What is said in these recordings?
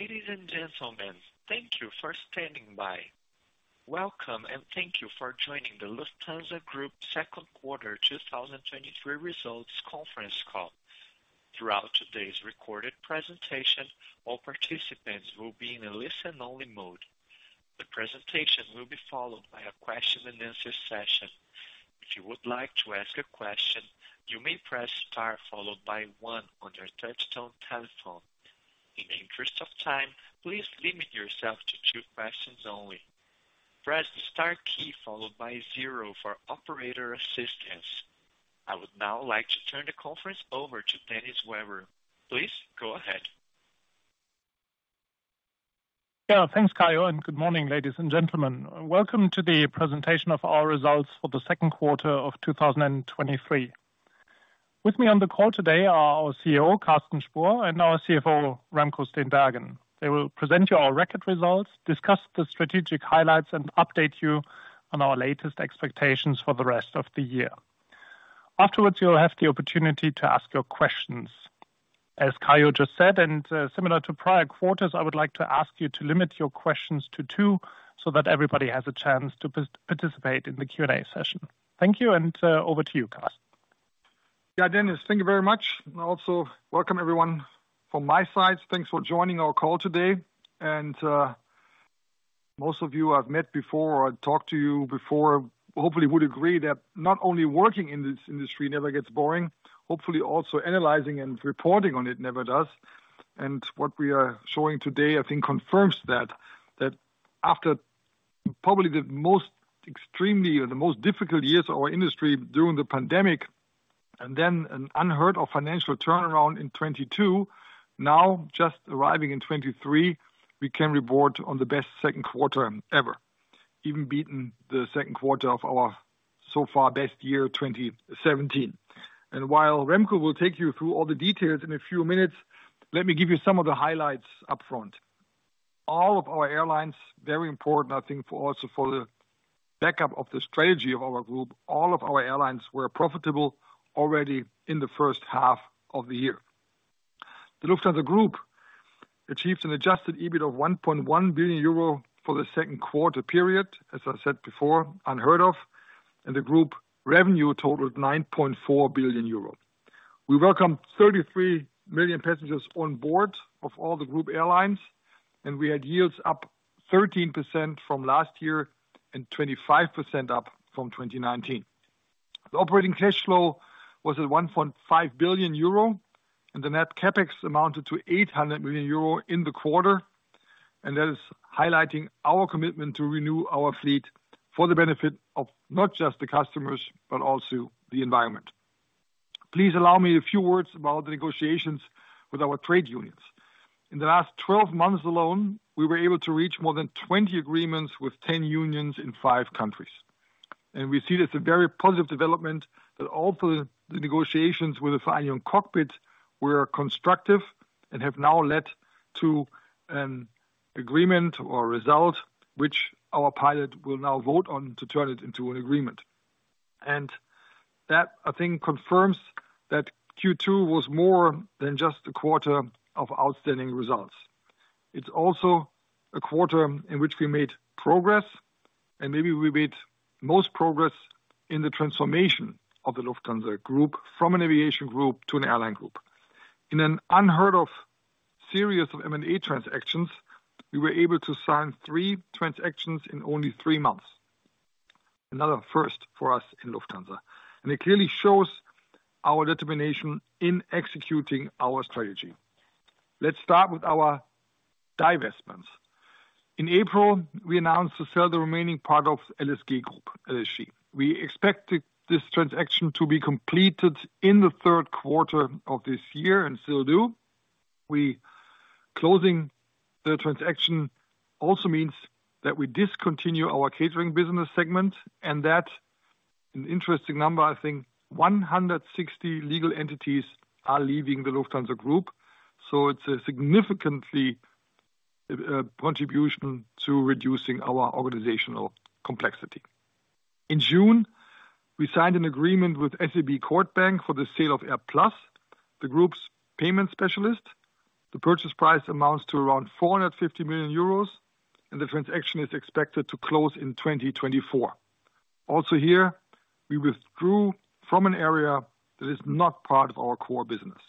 Ladies and gentlemen, thank you for standing by. Welcome, and thank you for joining the Lufthansa Group second quarter 2023 results conference call. Throughout today's recorded presentation, all participants will be in a listen-only mode. The presentation will be followed by a question-and-answer session. If you would like to ask a question, you may press star followed by 1 on your touchtone telephone. In the interest of time, please limit yourself to 2 questions only. Press the star key followed by 0 for operator assistance. I would now like to turn the conference over to Dennis Weber. Please go ahead. Yeah, thanks, Caio. Good morning, ladies and gentlemen. Welcome to the presentation of our results for the second quarter of 2023. With me on the call today are our CEO, Carsten Spohr, and our CFO, Remco Steenbergen. They will present you our record results, discuss the strategic highlights, and update you on our latest expectations for the rest of the year. Afterwards, you'll have the opportunity to ask your questions. As Caio just said, and similar to prior quarters, I would like to ask you to limit your questions to 2, so that everybody has a chance to participate in the Q&A session. Thank you. Over to you, Carsten. Yeah, Dennis, thank you very much, and also welcome everyone from my side. Thanks for joining our call today. Most of you I've met before or talked to you before, hopefully would agree that not only working in this industry never gets boring, hopefully also analyzing and reporting on it never does. What we are showing today, I think, confirms that, that after probably the most extremely or the most difficult years of our industry during the pandemic, and then an unheard-of financial turnaround in 2022, now just arriving in 2023, we can report on the best second quarter ever, even beating the second quarter of our so far best year, 2017. While Remco will take you through all the details in a few minutes, let me give you some of the highlights up front. All of our airlines, very important, I think, for also for the backup of the strategy of our group, all of our airlines were profitable already in the first half of the year. The Lufthansa Group achieved an adjusted EBIT of 1.1 billion euro for the second quarter period, as I said before, unheard of. The group revenue totaled 9.4 billion euro. We welcomed 33 million passengers on board of all the group airlines. We had yields up 13% from last year and 25% up from 2019. The operating cash flow was at 1.5 billion euro. The net CapEx amounted to 800 million euro in the quarter, and that is highlighting our commitment to renew our fleet for the benefit of not just the customers, but also the environment. Please allow me a few words about the negotiations with our trade unions. In the last 12 months alone, we were able to reach more than 20 agreements with 10 unions in 5 countries. We see that's a very positive development, that also the negotiations with the Union Cockpit were constructive and have now led to an agreement or result which our pilot will now vote on to turn it into an agreement. That, I think, confirms that Q2 was more than just a quarter of outstanding results. It's also a quarter in which we made progress, and maybe we made most progress in the transformation of the Lufthansa Group from an aviation group to an airline group. In an unheard-of series of M&A transactions, we were able to sign three transactions in only three months, another first for us in Lufthansa, and it clearly shows our determination in executing our strategy. Let's start with our divestments. In April, we announced to sell the remaining part of LSG Group, LSG. We expected this transaction to be completed in the third quarter of this year and still do. Closing the transaction also means that we discontinue our catering business segment, and that, an interesting number, I think 160 legal entities are leaving the Lufthansa Group, so it's a significantly contribution to reducing our organizational complexity. In June, we signed an agreement with SEB Kort Bank for the sale of AirPlus, the group's payment specialist. The purchase price amounts to around 450 million euros, and the transaction is expected to close in 2024. Also here, we withdrew from an area that is not part of our core business.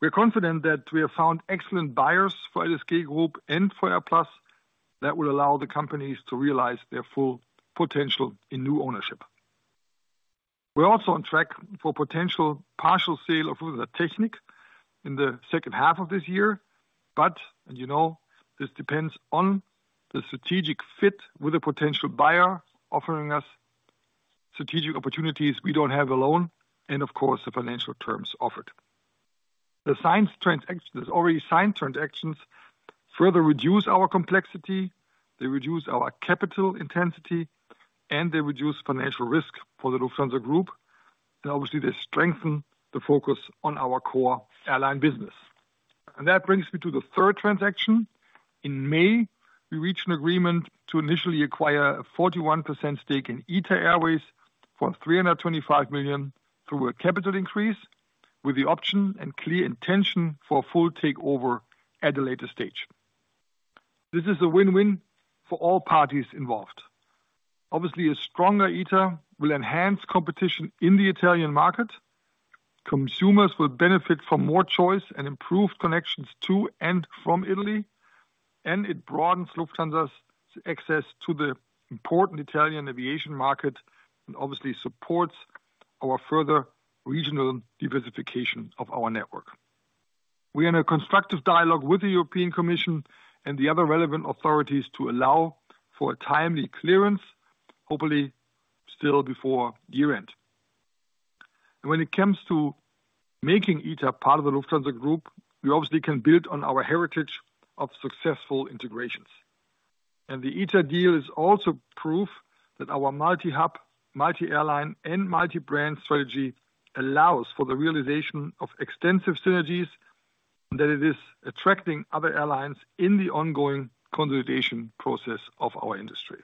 We are confident that we have found excellent buyers for LSG Group and for AirPlus that will allow the companies to realize their full potential in new ownership. We're also on track for potential partial sale of Lufthansa Technik in the second half of this year, but, and you know, this depends on the strategic fit with a potential buyer offering us strategic opportunities we don't have alone, and of course, the financial terms offered. The signed transactions, already signed transactions, further reduce our complexity, they reduce our capital intensity, and they reduce financial risk for the Lufthansa Group, and obviously they strengthen the focus on our core airline business. That brings me to the third transaction. In May, we reached an agreement to initially acquire a 41% stake in ITA Airways for EUR 325 million through a capital increase, with the option and clear intention for a full takeover at a later stage. This is a win-win for all parties involved. Obviously, a stronger ITA will enhance competition in the Italian market. Consumers will benefit from more choice and improved connections to and from Italy, and it broadens Lufthansa's access to the important Italian aviation market, and obviously supports our further regional diversification of our network. We are in a constructive dialogue with the European Commission and the other relevant authorities to allow for a timely clearance, hopefully still before year-end. When it comes to making ITA part of the Lufthansa Group, we obviously can build on our heritage of successful integrations. The ITA deal is also proof that our multi-hub, multi-airline, and multi-brand strategy allows for the realization of extensive synergies, and that it is attracting other airlines in the ongoing consolidation process of our industry.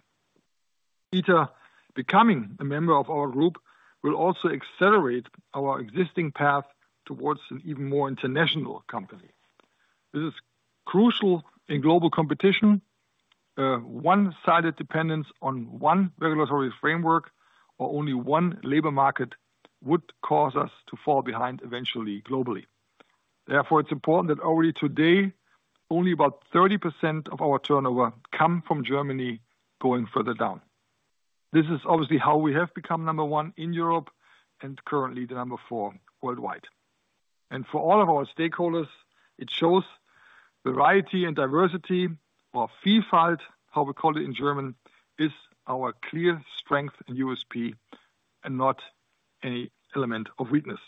ITA becoming a member of our group, will also accelerate our existing path towards an even more international company. This is crucial in global competition. One-sided dependence on one regulatory framework or only one labor market would cause us to fall behind eventually, globally. Therefore, it's important that already today, only about 30% of our turnover come from Germany, going further down. This is obviously how we have become number one in Europe and currently the number four worldwide. For all of our stakeholders, it shows variety and diversity, or Vielfalt, how we call it in German, is our clear strength in USP and not any element of weakness.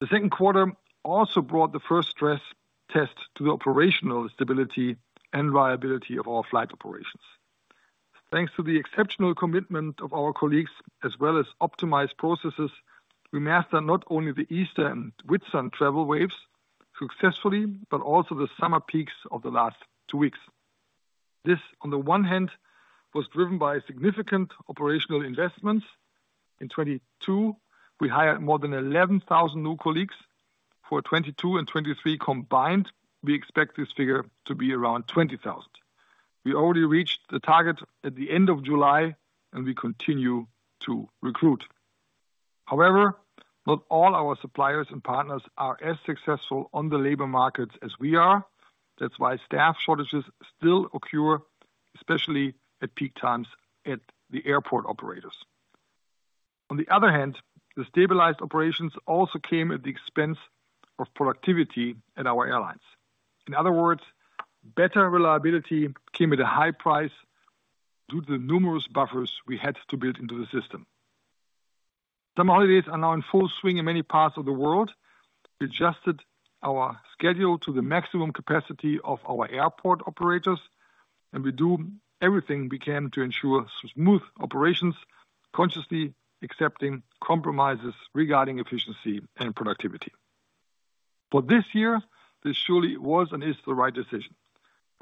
The second quarter also brought the first stress test to the operational stability and viability of our flight operations. Thanks to the exceptional commitment of our colleagues, as well as optimized processes, we master not only the Easter and Whitsun travel waves successfully, but also the summer peaks of the last two weeks. This, on the one hand, was driven by significant operational investments. In 2022, we hired more than 11,000 new colleagues. For 2022 and 2023 combined, we expect this figure to be around 20,000. We already reached the target at the end of July, and we continue to recruit. However, not all our suppliers and partners are as successful on the labor markets as we are. That's why staff shortages still occur, especially at peak times at the airport operators. The stabilized operations also came at the expense of productivity at our airlines. In other words, better reliability came at a high price due to the numerous buffers we had to build into the system. summer holidays are now in full swing in many parts of the world. We adjusted our schedule to the maximum capacity of our airport operators, and we do everything we can to ensure smooth operations, consciously accepting compromises regarding efficiency and productivity. For this year, this surely was and is the right decision.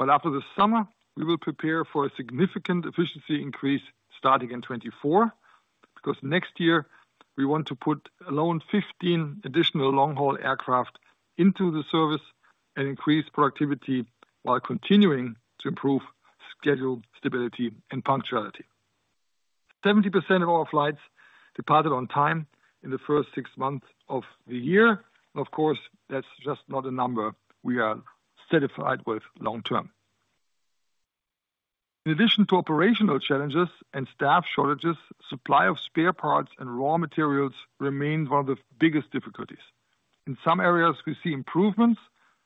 After the summer, we will prepare for a significant efficiency increase starting in 2024, because next year we want to put alone 15 additional long-haul aircraft into the service and increase productivity while continuing to improve schedule, stability, and punctuality. 70% of our flights departed on time in the first six months of the year, and of course, that's just not a number we are satisfied with long term. In addition to operational challenges and staff shortages, supply of spare parts and raw materials remain one of the biggest difficulties. In some areas, we see improvements,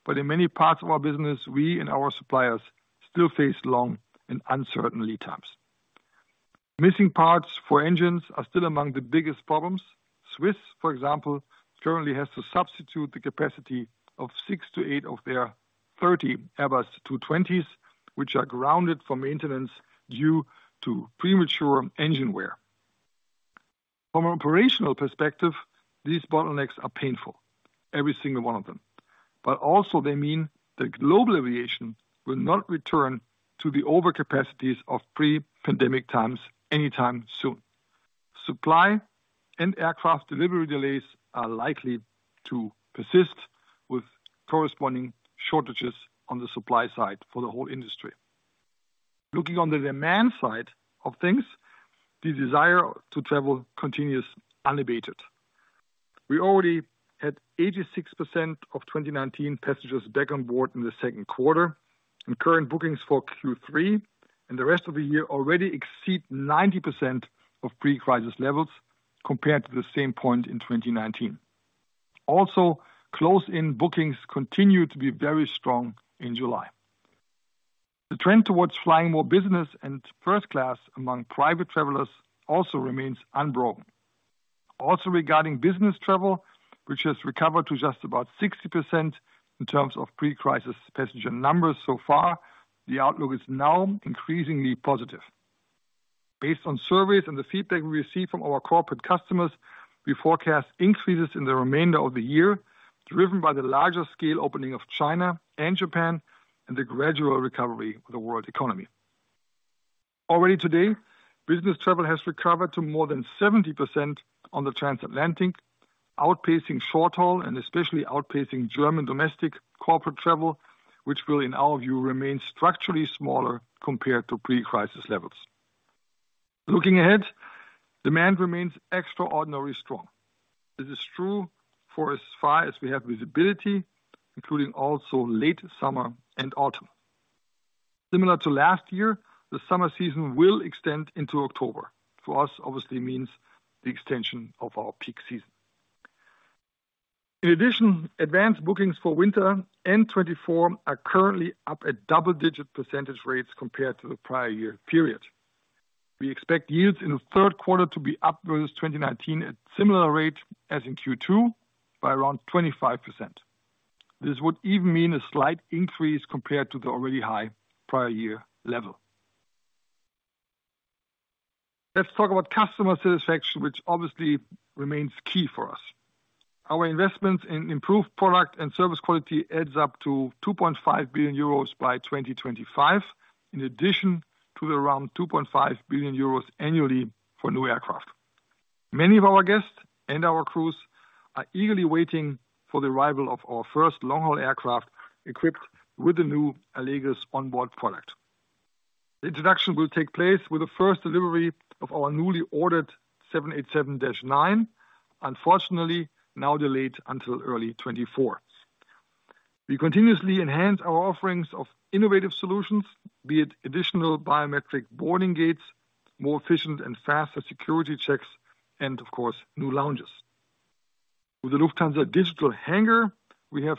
but in many parts of our business, we and our suppliers still face long and uncertain lead times. Missing parts for engines are still among the biggest problems. Swiss, for example, currently has to substitute the capacity of six to eight of their 30 Airbus A220s which are grounded for maintenance due to premature engine wear. From an operational perspective, these bottlenecks are painful, every single one of them, but also they mean the global aviation will not return to the overcapacities of pre-pandemic times anytime soon. Supply and aircraft delivery delays are likely to persist with corresponding shortages on the supply side for the whole industry. Looking on the demand side of things, the desire to travel continues unabated. We already had 86% of 2019 passengers back on board in the second quarter, and current bookings for Q3 and the rest of the year already exceed 90% of pre-crisis levels compared to the same point in 2019. Also, close-in bookings continue to be very strong in July. The trend towards flying more business and first class among private travelers also remains unbroken. Also, regarding business travel, which has recovered to just about 60% in terms of pre-crisis passenger numbers so far, the outlook is now increasingly positive. Based on surveys and the feedback we receive from our corporate customers, we forecast increases in the remainder of the year, driven by the larger scale opening of China and Japan and the gradual recovery of the world economy. Already today, business travel has recovered to more than 70% on the transatlantic, outpacing short-haul, and especially outpacing German domestic corporate travel, which will, in our view, remain structurally smaller compared to pre-crisis levels. Looking ahead, demand remains extraordinarily strong. This is true for as far as we have visibility, including also late summer and autumn. Similar to last year, the summer season will extend into October. For us, obviously means the extension of our peak season. In addition, advanced bookings for winter and 2024 are currently up at double-digit % rates compared to the prior year period. We expect yields in the third quarter to be up versus 2019 at similar rate as in Q2, by around 25%. This would even mean a slight increase compared to the already high prior year level. Let's talk about customer satisfaction, which obviously remains key for us. Our investments in improved product and service quality adds up to 2.5 billion euros by 2025, in addition to the around 2.5 billion euros annually for new aircraft. Many of our guests and our crews are eagerly waiting for the arrival of our first long-haul aircraft equipped with the new Allegris onboard product. Introduction will take place with the first delivery of our newly ordered 787-9, unfortunately, now delayed until early 2024. We continuously enhance our offerings of innovative solutions, be it additional biometric boarding gates, more efficient and faster security checks, and of course, new lounges. With the Lufthansa Digital Hangar, we have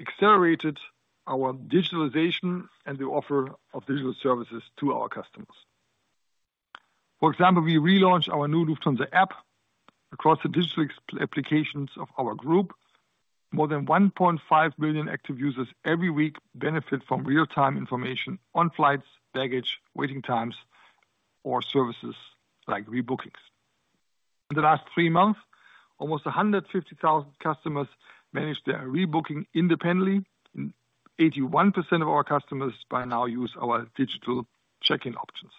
accelerated our digitalization and the offer of digital services to our customers. For example, we relaunched our new Lufthansa App across the digital ex- applications of our group. More than 1.5 million active users every week benefit from real-time information on flights, baggage, waiting times, or services like rebookings. In the last 3 months, almost 150,000 customers managed their rebooking independently, and 81% of our customers by now use our digital check-in options.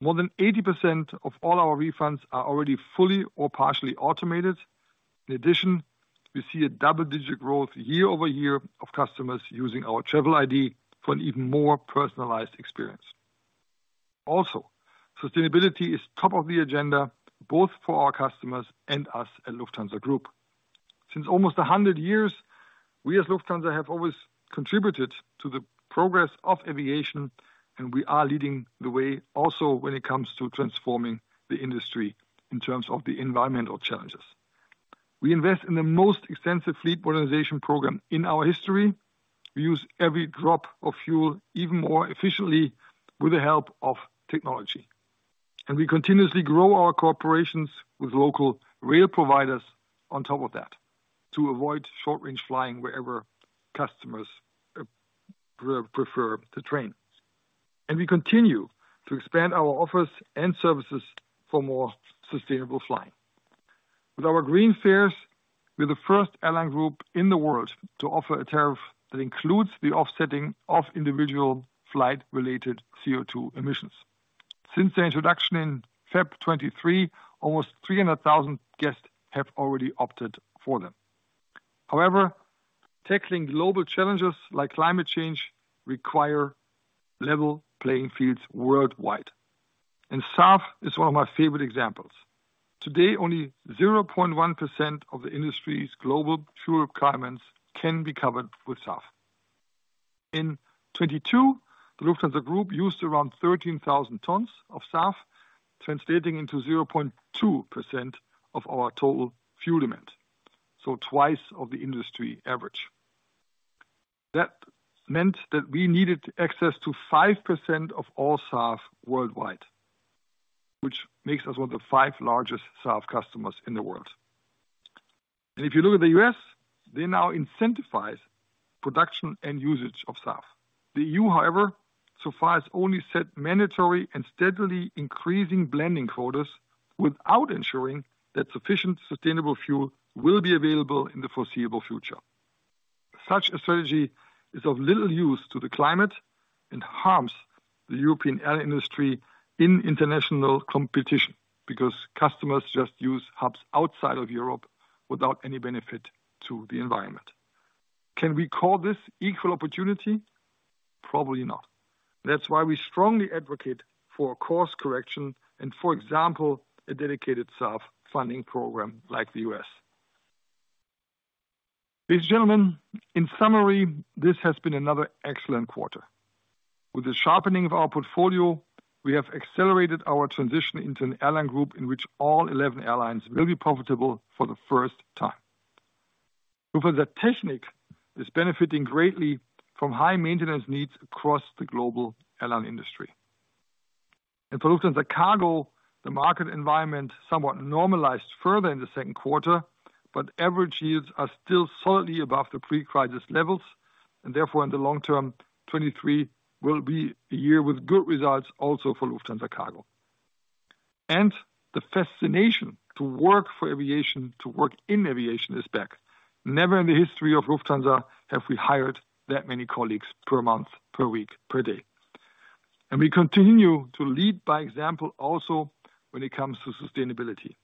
More than 80% of all our refunds are already fully or partially automated. In addition, we see a double-digit growth year-over-year of customers using our Travel ID for an even more personalized experience. Also, sustainability is top of the agenda, both for our customers and us at Lufthansa Group. Since almost 100 years, we as Lufthansa have always contributed to the progress of aviation. We are leading the way also when it comes to transforming the industry in terms of the environmental challenges. We invest in the most extensive fleet modernization program in our history. We use every drop of fuel even more efficiently with the help of technology. We continuously grow our corporations with local rail providers on top of that, to avoid short-range flying wherever customers prefer the train. We continue to expand our offers and services for more sustainable flying. With our Green Fares, we're the first airline group in the world to offer a tariff that includes the offsetting of individual flight-related CO2 emissions. Since the introduction in February 2023, almost 300,000 guests have already opted for them. However, tackling global challenges like climate change require level playing fields worldwide. SAF is one of my favorite examples. Today, only 0.1% of the industry's global fuel requirements can be covered with SAF. In 2022, the Lufthansa Group used around 13,000 tons of SAF, translating into 0.2% of our total fuel demand, so twice of the industry average. That meant that we needed access to 5% of all SAF worldwide, which makes us one of the five largest SAF customers in the world. If you look at the US, they now incentivize production and usage of SAF. The EU, however, so far, has only set mandatory and steadily increasing blending quotas without ensuring that sufficient sustainable fuel will be available in the foreseeable future. Such a strategy is of little use to the climate and harms the European air industry in international competition because customers just use hubs outside of Europe without any benefit to the environment. Can we call this equal opportunity? Probably not. That's why we strongly advocate for a course correction and, for example, a dedicated SAF funding program like the US. Ladies and gentlemen, in summary, this has been another excellent quarter. With the sharpening of our portfolio, we have accelerated our transition into an airline group in which all 11 airlines will be profitable for the first time. Lufthansa Technik is benefiting greatly from high maintenance needs across the global airline industry. For Lufthansa Cargo, the market environment somewhat normalized further in the second quarter, but average yields are still solidly above the pre-crisis levels, and therefore, in the long term, 23 will be a year with good results also for Lufthansa Cargo. The fascination to work for aviation, to work in aviation is back. Never in the history of Lufthansa have we hired that many colleagues per month, per week, per day. We continue to lead by example, also, when it comes to sustainability.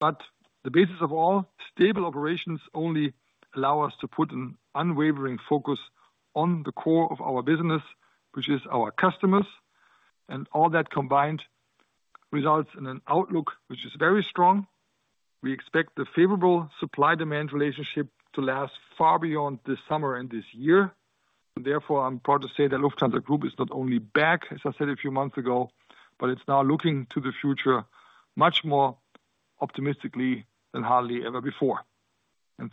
The basis of all stable operations only allow us to put an unwavering focus on the core of our business, which is our customers, and all that combined results in an outlook which is very strong. We expect the favorable supply-demand relationship to last far beyond this summer and this year. Therefore, I'm proud to say that Lufthansa Group is not only back, as I said a few months ago, but it's now looking to the future much more optimistically than hardly ever before.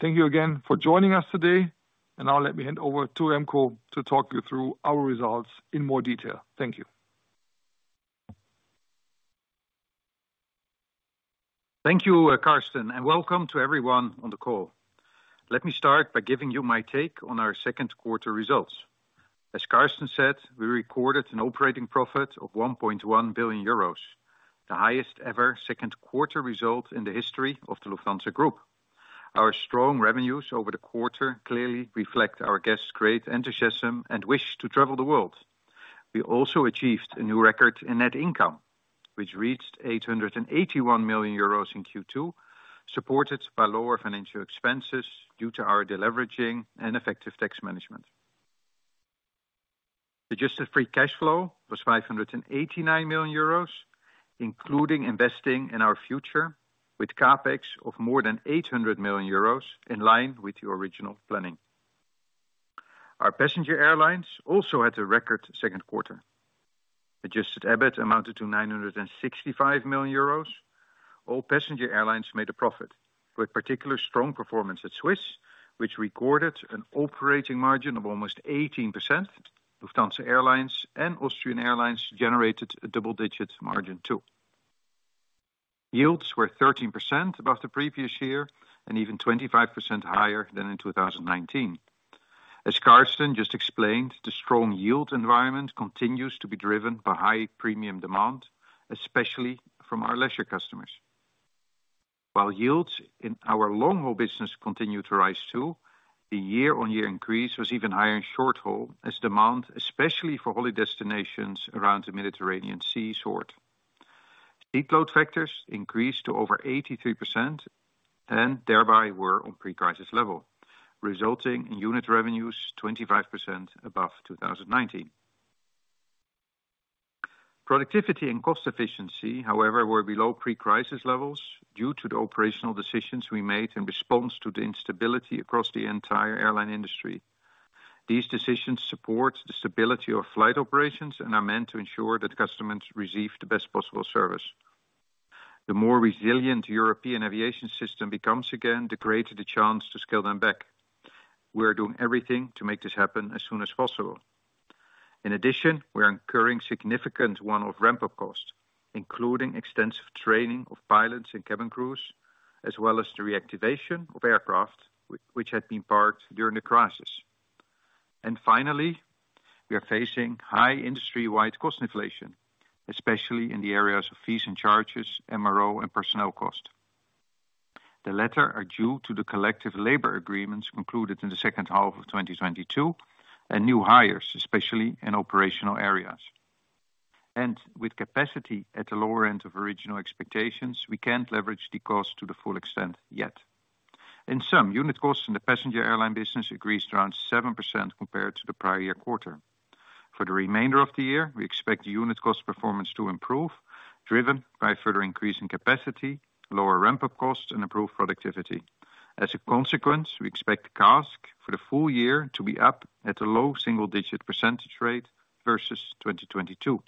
Thank you again for joining us today. Now let me hand over to Remco to talk you through our results in more detail. Thank you. Thank you, Carsten. Welcome to everyone on the call. Let me start by giving you my take on our second quarter results. As Carsten said, we recorded an operating profit of 1.1 billion euros, the highest ever second quarter result in the history of the Lufthansa Group. Our strong revenues over the quarter clearly reflect our guests' great enthusiasm and wish to travel the world. We also achieved a new record in net income, which reached 881 million euros in Q2, supported by lower financial expenses due to our deleveraging and effective tax management. Adjusted free cash flow was 589 million euros, including investing in our future with CapEx of more than 800 million euros, in line with the original planning. Our passenger airlines also had a record second quarter. Adjusted EBIT amounted to 965 million euros. All passenger airlines made a profit, with particular strong performance at Swiss, which recorded an operating margin of almost 18%. Lufthansa Airlines and Austrian Airlines generated a double-digit margin, too. Yields were 13% above the previous year and even 25% higher than in 2019. As Carsten just explained, the strong yield environment continues to be driven by high premium demand, especially from our leisure customers. While yields in our long-haul business continue to rise, too, the year-on-year increase was even higher in short haul, as demand, especially for holiday destinations around the Mediterranean Sea, soared. Seat load factors increased to over 83% and thereby were on pre-crisis level, resulting in unit revenues 25% above 2019. Productivity and cost efficiency, however, were below pre-crisis levels due to the operational decisions we made in response to the instability across the entire airline industry. These decisions support the stability of flight operations and are meant to ensure that customers receive the best possible service. The more resilient European aviation system becomes again, the greater the chance to scale them back. We are doing everything to make this happen as soon as possible. In addition, we are incurring significant one-off ramp-up costs, including extensive training of pilots and cabin crews, as well as the reactivation of aircraft which had been parked during the crisis. Finally, we are facing high industry-wide cost inflation, especially in the areas of fees and charges, MRO, and personnel cost. The latter are due to the collective labor agreements concluded in the second half of 2022 and new hires, especially in operational areas. With capacity at the lower end of original expectations, we can't leverage the cost to the full extent yet. In sum, unit costs in the passenger airline business increased around 7% compared to the prior year quarter. For the remainder of the year, we expect the unit cost performance to improve, driven by further increase in capacity, lower ramp-up costs, and improved productivity. As a consequence, we expect CASK for the full year to be up at a low single-digit % rate versus 2022,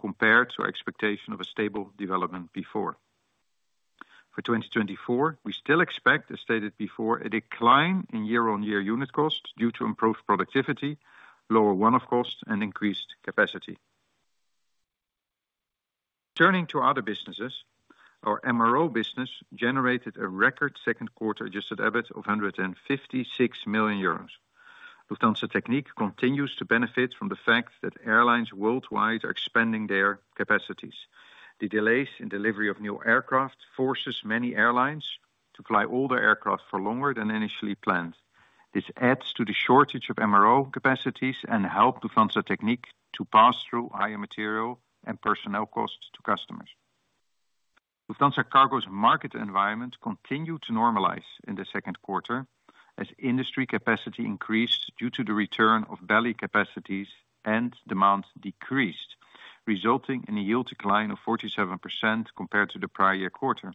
compared to our expectation of a stable development before. For 2024, we still expect, as stated before, a decline in year-on-year unit costs due to improved productivity, lower one-off costs, and increased capacity. Turning to other businesses, our MRO business generated a record second quarter Adjusted EBIT of 156 million euros. Lufthansa Technik continues to benefit from the fact that airlines worldwide are expanding their capacities. The delays in delivery of new aircraft forces many airlines to fly older aircraft for longer than initially planned. This adds to the shortage of MRO capacities and help Lufthansa Technik to pass through higher material and personnel costs to customers. Lufthansa Cargo's market environment continued to normalize in the second quarter as industry capacity increased due to the return of belly capacities and demand decreased, resulting in a yield decline of 47% compared to the prior year quarter.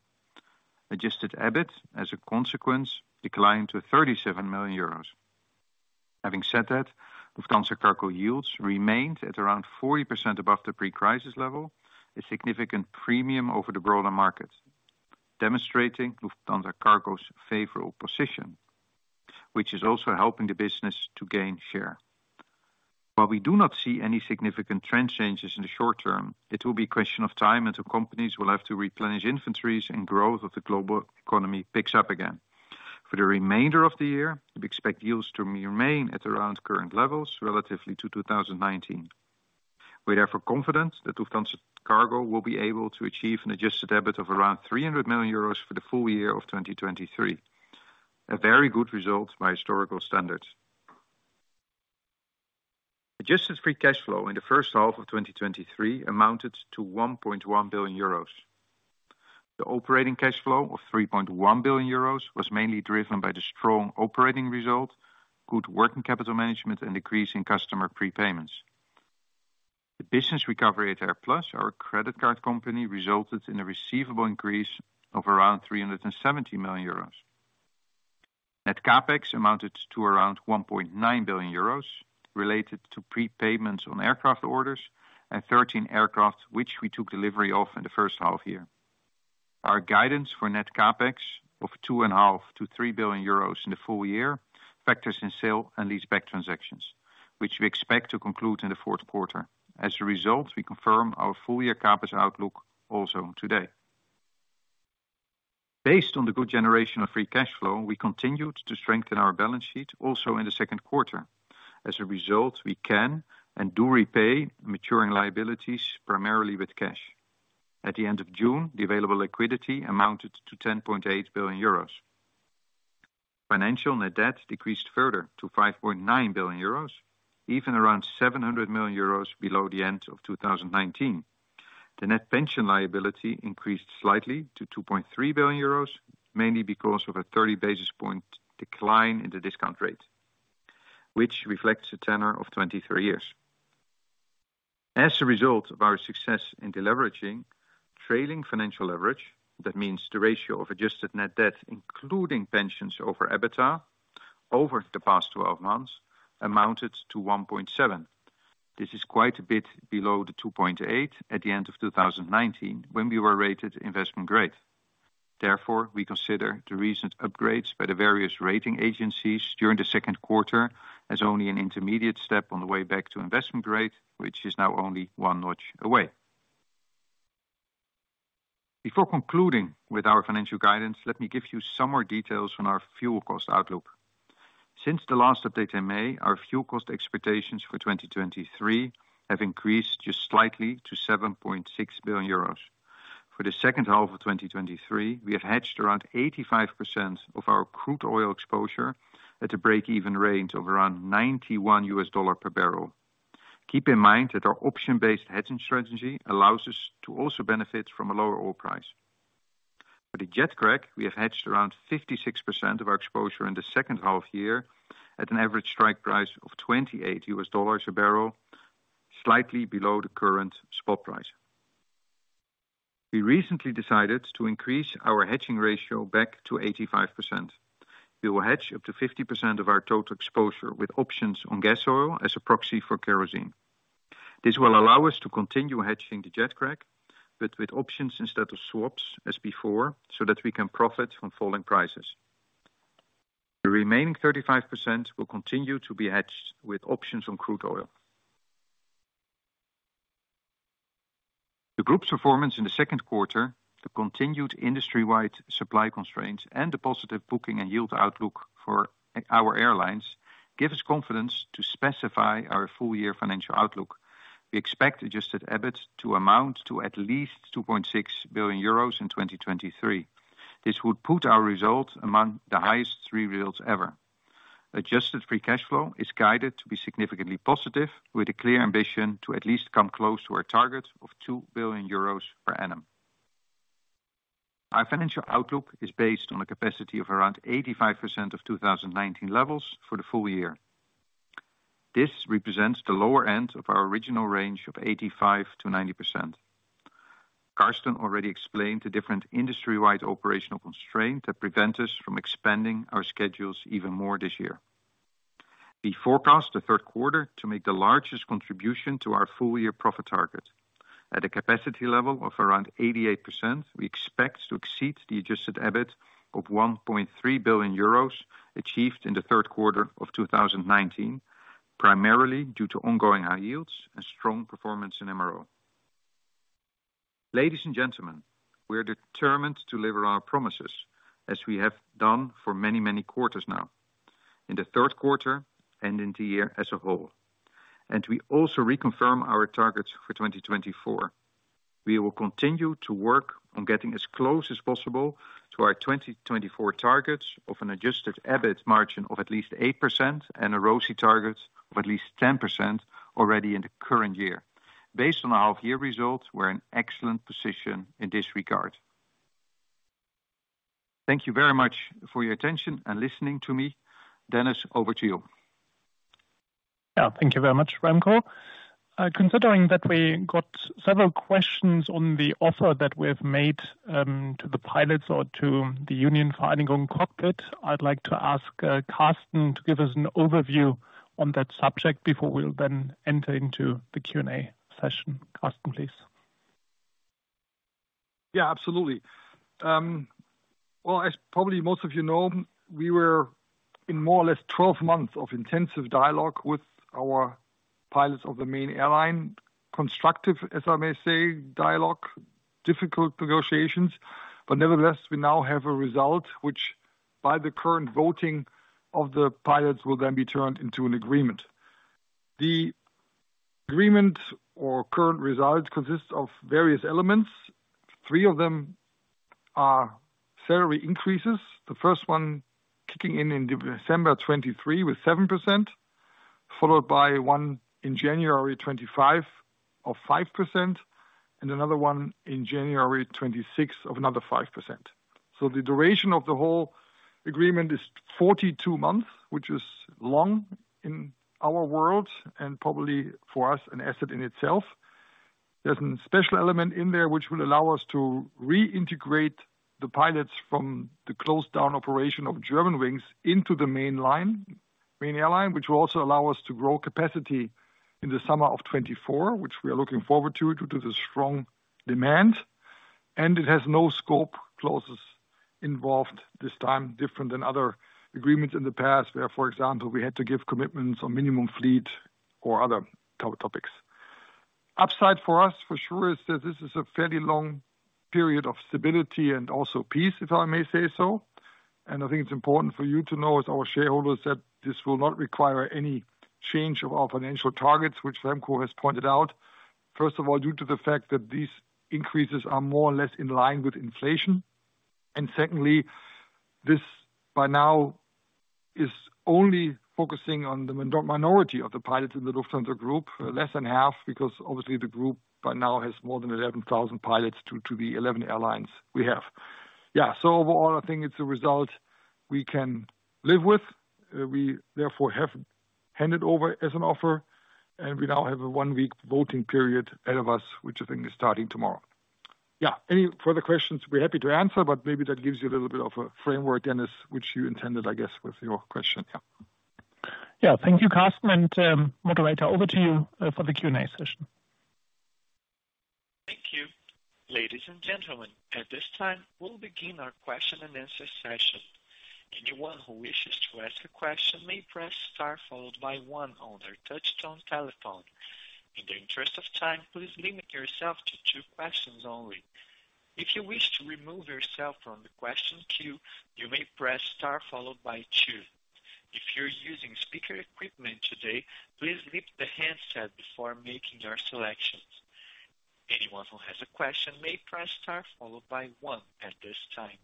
Adjusted EBIT, as a consequence, declined to 37 million euros. Having said that, Lufthansa Cargo yields remained at around 40% above the pre-crisis level, a significant premium over the broader market, demonstrating Lufthansa Cargo's favorable position, which is also helping the business to gain share. While we do not see any significant trend changes in the short term, it will be a question of time until companies will have to replenish inventories and growth of the global economy picks up again. For the remainder of the year, we expect yields to remain at around current levels relatively to 2019. We are therefore confident that Lufthansa Cargo will be able to achieve an Adjusted EBIT of around 300 million euros for the full year of 2023. A very good result by historical standards. Adjusted free cash flow in the first half of 2023 amounted to 1.1 billion euros. The operating cash flow of 3.1 billion euros was mainly driven by the strong operating result, good working capital management, and decrease in customer prepayments. The business recovery at AirPlus, our credit card company, resulted in a receivable increase of around 370 million euros. net CapEx amounted to around 1.9 billion euros, related to prepayments on aircraft orders and 13 aircrafts, which we took delivery of in the first half year. Our guidance for net CapEx of 2.5 billion-3 billion euros in the full year, factors in sale and leaseback transactions, which we expect to conclude in the 4th quarter. As a result, we confirm our full year CapEx outlook also today. Based on the good generation of free cash flow, we continued to strengthen our balance sheet also in the 2nd quarter. As a result, we can and do repay maturing liabilities, primarily with cash. At the end of June, the available liquidity amounted to 10.8 billion euros. Financial net debt decreased further to 5.9 billion euros, even around 700 million euros below the end of 2019. The net pension liability increased slightly to 2.3 billion euros, mainly because of a 30 basis point decline in the discount rate, which reflects a tenor of 23 years. As a result of our success in deleveraging, trailing financial leverage, that means the ratio of adjusted net debt, including pensions over EBITDA, over the past 12 months, amounted to 1.7. This is quite a bit below the 2.8 at the end of 2019, when we were rated investment grade. Therefore, we consider the recent upgrades by the various rating agencies during the second quarter as only an intermediate step on the way back to investment grade, which is now only 1 notch away. Before concluding with our financial guidance, let me give you some more details on our fuel cost outlook. Since the last update in May, our fuel cost expectations for 2023 have increased just slightly to 7.6 billion euros. For the second half of 2023, we have hedged around 85% of our crude oil exposure at a break-even range of around $91 per barrel. Keep in mind that our option-based hedging strategy allows us to also benefit from a lower oil price. For the jet crack, we have hedged around 56% of our exposure in the second half year at an average strike price of $28 a barrel, slightly below the current spot price. We recently decided to increase our hedging ratio back to 85%. We will hedge up to 50% of our total exposure with options on gasoil as a proxy for kerosene. This will allow us to continue hedging the jet crack, but with options instead of swaps as before, so that we can profit from falling prices. The remaining 35% will continue to be hedged with options on crude oil. The group's performance in the second quarter, the continued industry-wide supply constraints, and the positive booking and yield outlook for our airlines, give us confidence to specify our full-year financial outlook. We expect Adjusted EBIT to amount to at least 2.6 billion euros in 2023. This would put our results among the highest 3 results ever. adjusted free cash flow is guided to be significantly positive, with a clear ambition to at least come close to our target of 2 billion euros per annum. Our financial outlook is based on a capacity of around 85% of 2019 levels for the full year. This represents the lower end of our original range of 85%-90%. Carsten already explained the different industry-wide operational constraints that prevent us from expanding our schedules even more this year. We forecast the third quarter to make the largest contribution to our full-year profit target. At a capacity level of around 88%, we expect to exceed the Adjusted EBIT of 1.3 billion euros, achieved in the third quarter of 2019, primarily due to ongoing high yields and strong performance in MRO. Ladies and gentlemen, we are determined to deliver on our promises, as we have done for many, many quarters now, in the third quarter and in the year as a whole, and we also reconfirm our targets for 2024. We will continue to work on getting as close as possible to our 2024 targets of an adjusted EBIT margin of at least 8% and a ROCE target of at least 10% already in the current year. Based on our year results, we're in excellent position in this regard. Thank you very much for your attention and listening to me. Dennis, over to you. Yeah, thank you very much, Remco. Considering that we got several questions on the offer that we've made to the pilots or to the union Vereinigung Cockpit, I'd like to ask Carsten to give us an overview on that subject before we'll then enter into the Q&A session. Carsten, please. Yeah, absolutely. Well, as probably most of you know, we were-... in more or less 12 months of intensive dialogue with our pilots of the main airline, constructive, as I may say, dialogue, difficult negotiations. Nevertheless, we now have a result which, by the current voting of the pilots, will then be turned into an agreement. The agreement or current results consists of various elements. Three of them are salary increases, the first one kicking in in December 2023 with 7%, followed by one in January 2025 of 5%, and another one in January 2026 of another 5%. The duration of the whole agreement is 42 months, which is long in our world and probably for us, an asset in itself. There's a special element in there which will allow us to reintegrate the pilots from the closed down operation of Germanwings into the main line, main airline, which will also allow us to grow capacity in the summer of 2024, which we are looking forward to, due to the strong demand. It has no scope clauses involved this time, different than other agreements in the past, where, for example, we had to give commitments on minimum fleet or other topics. Upside for us, for sure, is that this is a fairly long period of stability and also peace, if I may say so. I think it's important for you to know, as our shareholders, that this will not require any change of our financial targets, which Remco has pointed out. Due to the fact that these increases are more or less in line with inflation. Secondly, this, by now, is only focusing on the minority of the pilots in the Lufthansa Group, less than half, because obviously the group by now has more than 11,000 pilots to, to the 11 airlines we have. Overall, I think it's a result we can live with. We therefore have handed over as an offer, and we now have a 1-week voting period ahead of us, which I think is starting tomorrow. Any further questions we're happy to answer, but maybe that gives you a little bit of a framework, Dennis, which you intended, I guess, with your question. Yeah. Thank you, Carsten, and moderator, over to you, for the Q&A session. Thank you. Ladies and gentlemen, at this time, we'll begin our question and answer session. Anyone who wishes to ask a question may press star followed by one on their touchtone telephone. In the interest of time, please limit yourself to 2 questions only. If you wish to remove yourself from the question queue, you may press star followed by two. If you're using speaker equipment today, please leave the handset before making your selections. Anyone who has a question may press star followed by one at this time.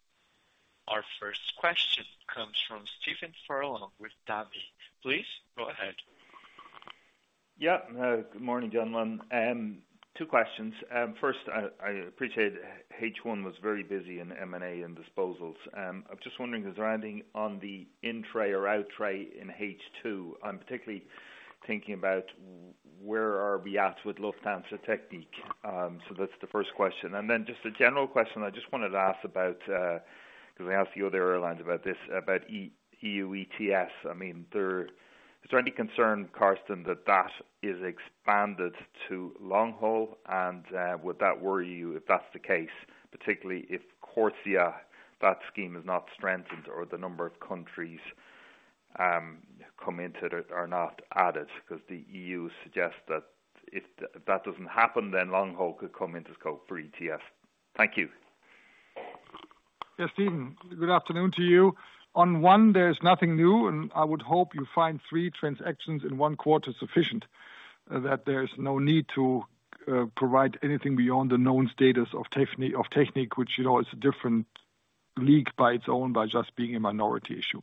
Our first question comes from Stephen Furlong with Davy. Please, go ahead. Yeah, good morning, gentlemen. 2 questions. First, I, I appreciate H1 was very busy in M&A and disposals. I'm just wondering, is there anything on the in-tray or out-tray in H2? I'm particularly thinking about where are we at with Lufthansa Technik. That's the first question. Just a general question I just wanted to ask about, because I asked the other airlines about this, about EU ETS. I mean, there, is there any concern, Carsten, that that is expanded to long haul? Would that worry you if that's the case, particularly if CORSIA, that scheme is not strengthened or the number of countries come into it are not added? The EU suggests that if that doesn't happen, then long haul could come into scope for ETS. Thank you. Stephen Furlong, good afternoon to you. On 1, there is nothing new, and I would hope you find 3 transactions in 1 quarter sufficient, that there's no need to provide anything beyond the known status of Lufthansa Technik, which, you know, is a different league by its own, by just being a minority issue.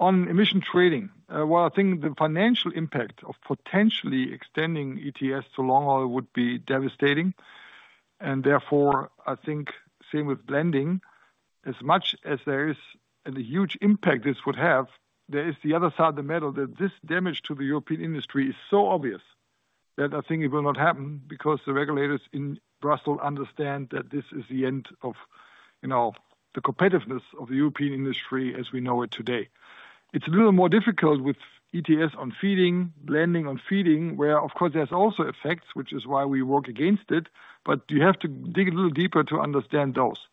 On emission trading, well, I think the financial impact of potentially extending EU ETS to long haul would be devastating, therefore, I think same with blending. As much as there is, and the huge impact this would have, there is the other side of the medal, that this damage to the European industry is so obvious that I think it will not happen because the regulators in Brussels understand that this is the end of, you know, the competitiveness of the European industry as we know it today. It's a little more difficult with ETS on feeding, landing on feeding, where, of course, there's also effects, which is why we work against it, but you have to dig a little deeper to understand those.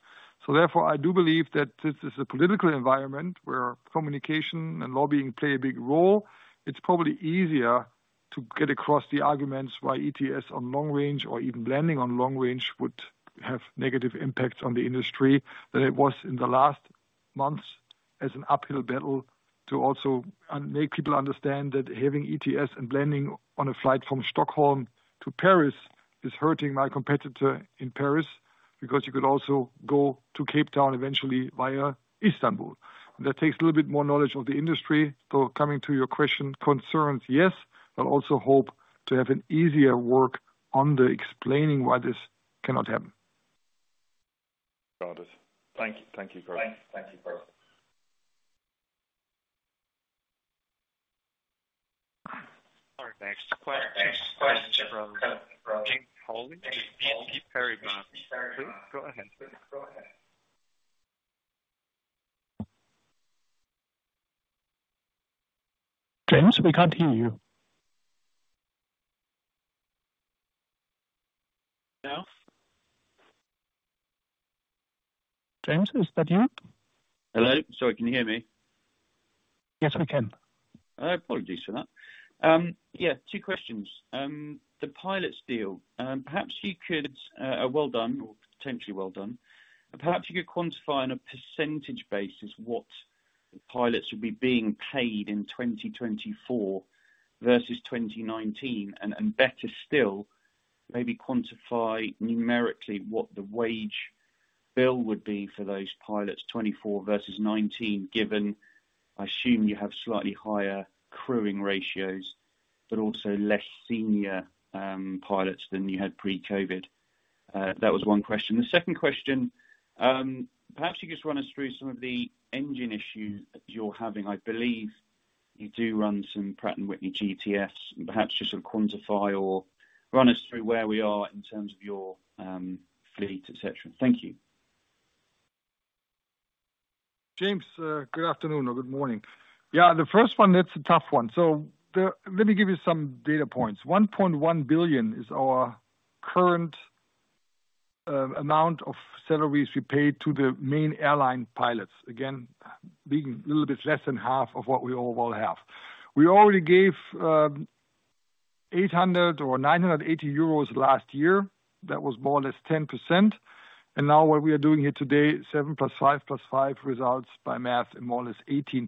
Therefore, I do believe that this is a political environment where communication and lobbying play a big role. It's probably easier to get across the arguments why ETS on long range or even blending on long range would have negative impacts on the industry than it was in the last months as an uphill battle to also make people understand that having ETS and blending on a flight from Stockholm to Paris is hurting my competitor in Paris because you could also go to Cape Town eventually via Istanbul. That takes a little bit more knowledge of the industry. Coming to your question, concerns, yes, but also hope to have an easier work on the explaining why this cannot happen. Got it. Thank you. Thank you, Carsten. Our next question comes from James Hollins, BNP Paribas Exane. Please, go ahead. James, we can't hear you. James, is that you? Hello? Sorry, can you hear me? Yes, I can. Apologies for that. Yeah, two questions. The pilots deal. Perhaps you could, well done or potentially well done. Perhaps you could quantify on a percentage basis what the pilots will be being paid in 2024 versus 2019, and, and better still, maybe quantify numerically what the wage bill would be for those pilots, 24 versus 19, given I assume you have slightly higher crewing ratios, but also less senior, pilots than you had pre-COVID. That was one question. The second question, perhaps you could just run us through some of the engine issues that you're having. I believe you do run some Pratt & Whitney GTFs, and perhaps just sort of quantify or run us through where we are in terms of your, fleet, et cetera. Thank you. James, good afternoon or good morning. The first one, that's a tough one. Let me give you some data points. 1.1 billion is our current amount of salaries we paid to the main airline pilots. Again, being a little bit less than half of what we overall have. We already gave 800 or 980 euros last year. That was more or less 10%. Now what we are doing here today, 7 plus 5 plus 5 results by math in more or less 18%,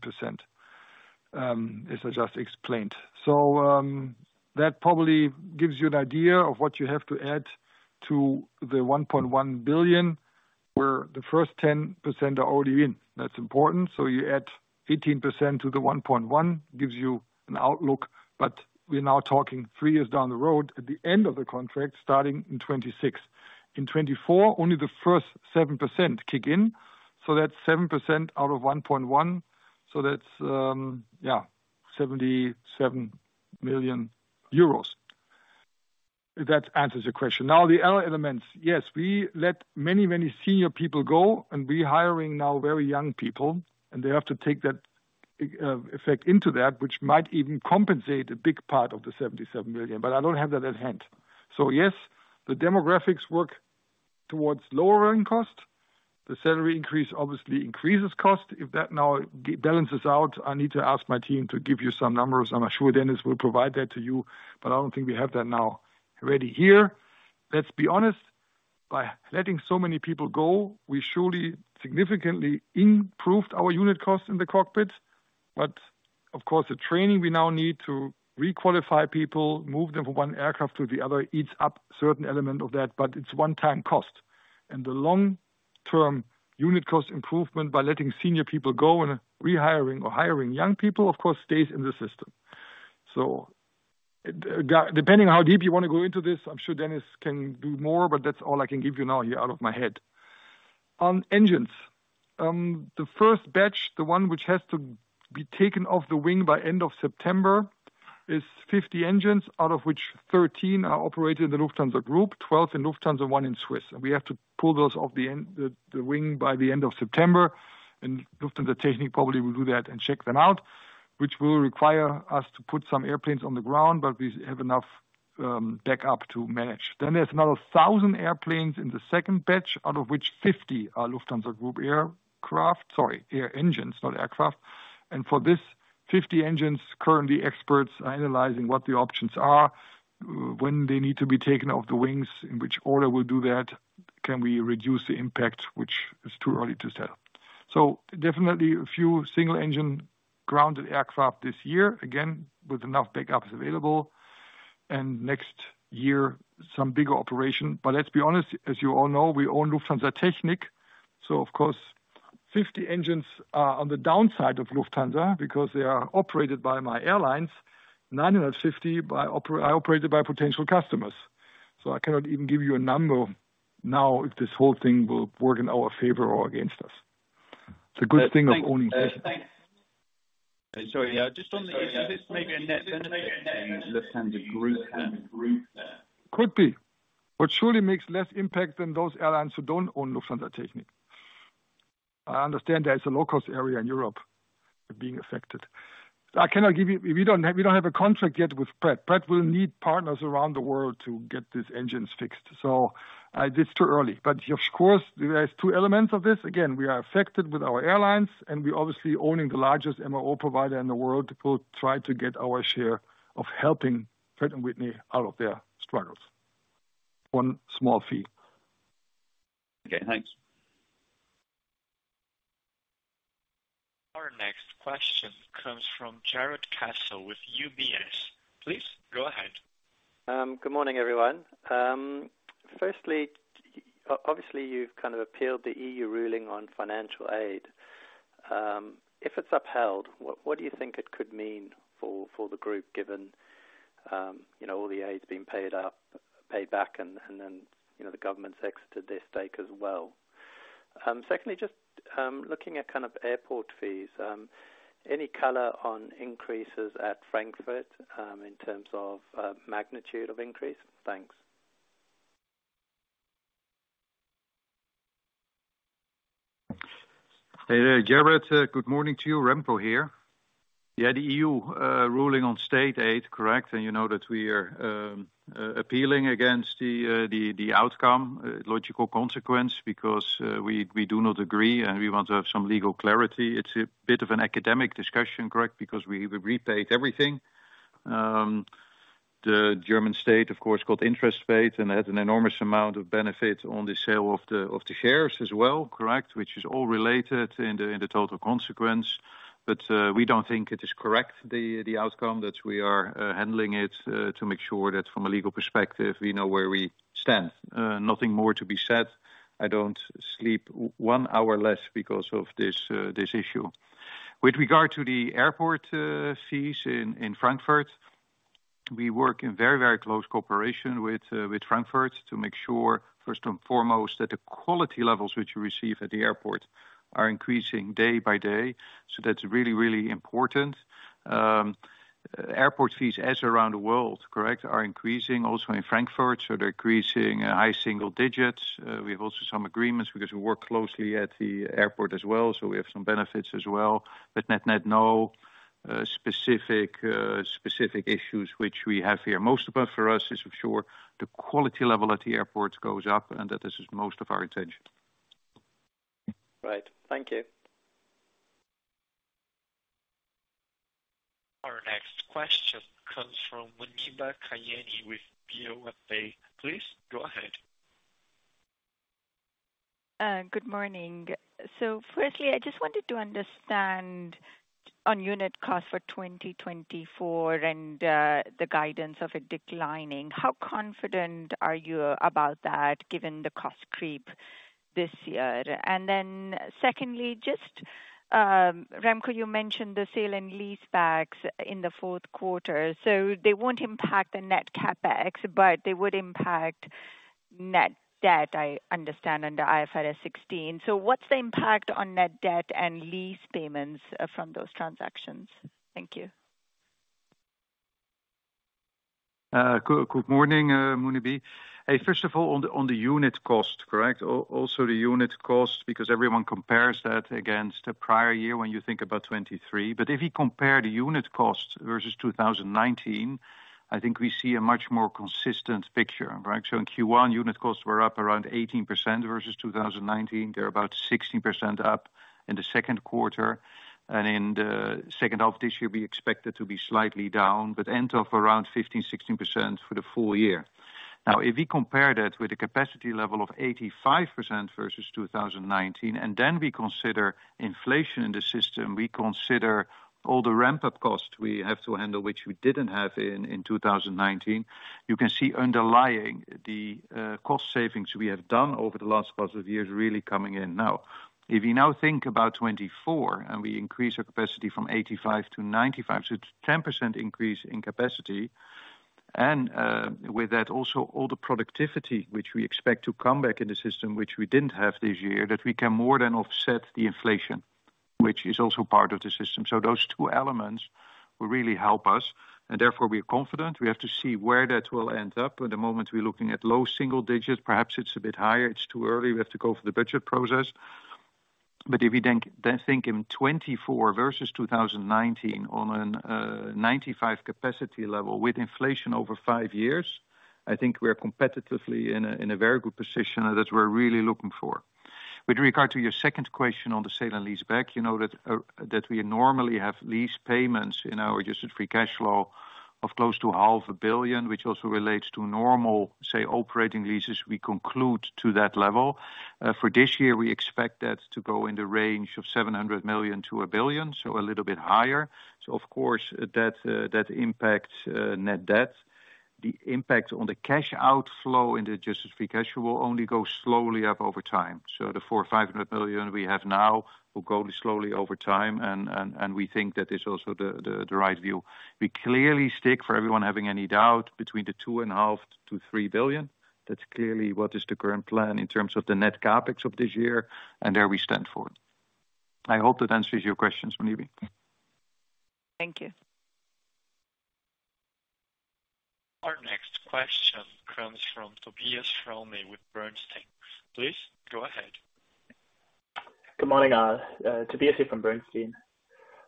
as I just explained. That probably gives you an idea of what you have to add to the 1.1 billion, where the first 10% are already in. That's important. You add 18% to the 1.1, gives you an outlook, but we're now talking 3 years down the road at the end of the contract, starting in 2026. In 2024, only the first 7% kick in, that's 7% out of 1.1. That's, yeah, 77 million euros. If that answers your question. Now, the other elements, yes, we let many, many senior people go, and we hiring now very young people, and they have to take that effect into that, which might even compensate a big part of the 77 million, but I don't have that at hand. Yes, the demographics work towards lowering costs. The salary increase obviously increases cost. If that now balances out, I need to ask my team to give you some numbers. I'm sure Dennis will provide that to you, but I don't think we have that now ready here. Let's be honest, by letting so many people go, we surely significantly improved our unit costs in the cockpit, but of course, the training we now need to re-qualify people, move them from one aircraft to the other, eats up certain element of that, but it's one-time cost. The long-term unit cost improvement by letting senior people go and rehiring or hiring young people, of course, stays in the system. Depending on how deep you want to go into this, I'm sure Dennis can do more, but that's all I can give you now here out of my head. On engines, the first batch, the one which has to be taken off the wing by end of September, is 50 engines, out of which 13 are operated in the Lufthansa Group, 12 in Lufthansa Airlines, 1 in Swiss. We have to pull those off the end, the, the wing by the end of September, and Lufthansa Technik probably will do that and check them out, which will require us to put some airplanes on the ground, but we have enough backup to manage. There's another 1,000 airplanes in the second batch, out of which 50 are Lufthansa Group aircraft. Sorry, air engines, not aircraft. For this 50 engines, currently, experts are analyzing what the options are, when they need to be taken off the wings, in which order we'll do that. Can we reduce the impact, which is too early to tell. Definitely a few single-engine grounded aircraft this year, again, with enough backups available, and next year, some bigger operation. Let's be honest, as you all know, we own Lufthansa Technik, so of course, 50 engines are on the downside of Lufthansa because they are operated by my airlines, 950 are operated by potential customers. I cannot even give you a number now, if this whole thing will work in our favor or against us. It's a good thing of owning- Thanks. Sorry, just on the issue, this may be a net benefit for the Lufthansa Group then? Could be, but surely makes less impact than those airlines who don't own Lufthansa Technik. I understand there's a low-cost area in Europe being affected. We don't have a contract yet with Pratt. Pratt will need partners around the world to get these engines fixed. It's too early. Of course, there is two elements of this. Again, we are affected with our airlines, and we obviously owning the largest MRO provider in the world, will try to get our share of helping Pratt & Whitney out of their struggles. One small fee. Okay, thanks. Our next question comes from Jarrod Castle with UBS. Please, go ahead. Good morning, everyone. Firstly, obviously, you've kind of appealed the EU ruling on financial aid. If it's upheld, what do you think it could mean for the group, given, you know, all the aids being paid up, paid back, and then, you know, the government's exited their stake as well? Secondly, just looking at kind of airport fees, any color on increases at Frankfurt, in terms of magnitude of increase? Thanks. Hey there, Jared, good morning to you, Remco here. Yeah, the EU ruling on state aid, correct, you know that we are appealing against the the the outcome, logical consequence, because we we do not agree, and we want to have some legal clarity. It's a bit of an academic discussion, correct? Because we we repaid everything. The German state, of course, got interest paid, and had an enormous amount of benefit on the sale of the of the shares as well, correct? Which is all related in the in the total consequence. We don't think it is correct, the the outcome, that we are handling it to make sure that from a legal perspective, we know where we stand. Nothing more to be said. I don't sleep one hour less because of this, this issue. With regard to the airport, fees in, in Frankfurt, we work in very, very close cooperation with, with Frankfurt, to make sure first and foremost, that the quality levels which you receive at the airport are increasing day by day, so that's really, really important. Airport fees, as around the world, correct, are increasing also in Frankfurt, so they're increasing high single digits. We have also some agreements, because we work closely at the airport as well, so we have some benefits as well. Net-net, no, specific, specific issues which we have here. Most important for us is to ensure the quality level at the airport goes up, and that this is most of our attention. Right. Thank you. Our next question comes from Muneeba Kayani, with Bank of America Merrill Lynch. Please go ahead. Good morning. Firstly, I just wanted to understand on unit cost for 2024, and the guidance of it declining. How confident are you about that, given the cost creep this year? Secondly, just, Remco, you mentioned the sale and lease backs in the fourth quarter, so they won't impact the net CapEx, but they would impact net debt, I understand, under IFRS 16. What's the impact on net debt and lease payments from those transactions? Thank you. Good, good morning, Muniba. Hey, first of all, on the, on the unit cost, correct? Also, the unit cost, because everyone compares that against the prior year when you think about 2023. If you compare the unit cost versus 2019, I think we see a much more consistent picture, right? In Q1, unit costs were up around 18% versus 2019. They're about 16% up in the second quarter, and in the second half of this year, we expect it to be slightly down, but end of around 15%-16% for the full year. If we compare that with the capacity level of 85% versus 2019, and then we consider inflation in the system, we consider all the ramp-up costs we have to handle, which we didn't have in 2019, you can see underlying the cost savings we have done over the last couple of years, really coming in now. If you now think about 2024, and we increase our capacity from 85 to 95, so it's 10% increase in capacity, and with that also, all the productivity which we expect to come back in the system, which we didn't have this year, that we can more than offset the inflation, which is also part of the system. Those two elements will really help us, and therefore, we are confident. We have to see where that will end up. At the moment, we're looking at low single digits, perhaps it's a bit higher, it's too early, we have to go through the budget process. If you think, think in 2024 versus 2019, on a 95 capacity level with inflation over five years, I think we're competitively in a, in a very good position that we're really looking for. With regard to your second question on the sale and leaseback, you know, that we normally have lease payments in our adjusted free cash flow of close to 500 million, which also relates to normal, say, operating leases, we conclude to that level. For this year, we expect that to go in the range of 700 million-1 billion, so a little bit higher. Of course, that impacts net debt. The impact on the cash outflow in the adjusted free cash flow will only go slowly up over time. The 400 million-500 million we have now, will go slowly over time, and we think that is also the right view. We clearly stick, for everyone having any doubt, between the 2.5 billion-3 billion. That's clearly what is the current plan in terms of the net CapEx of this year, and there we stand for it. I hope that answers your questions, Muniba. Thank you. Our next question comes from Tobias Fromme with Bernstein. Please go ahead. Good morning, all. Tobias here from Bernstein.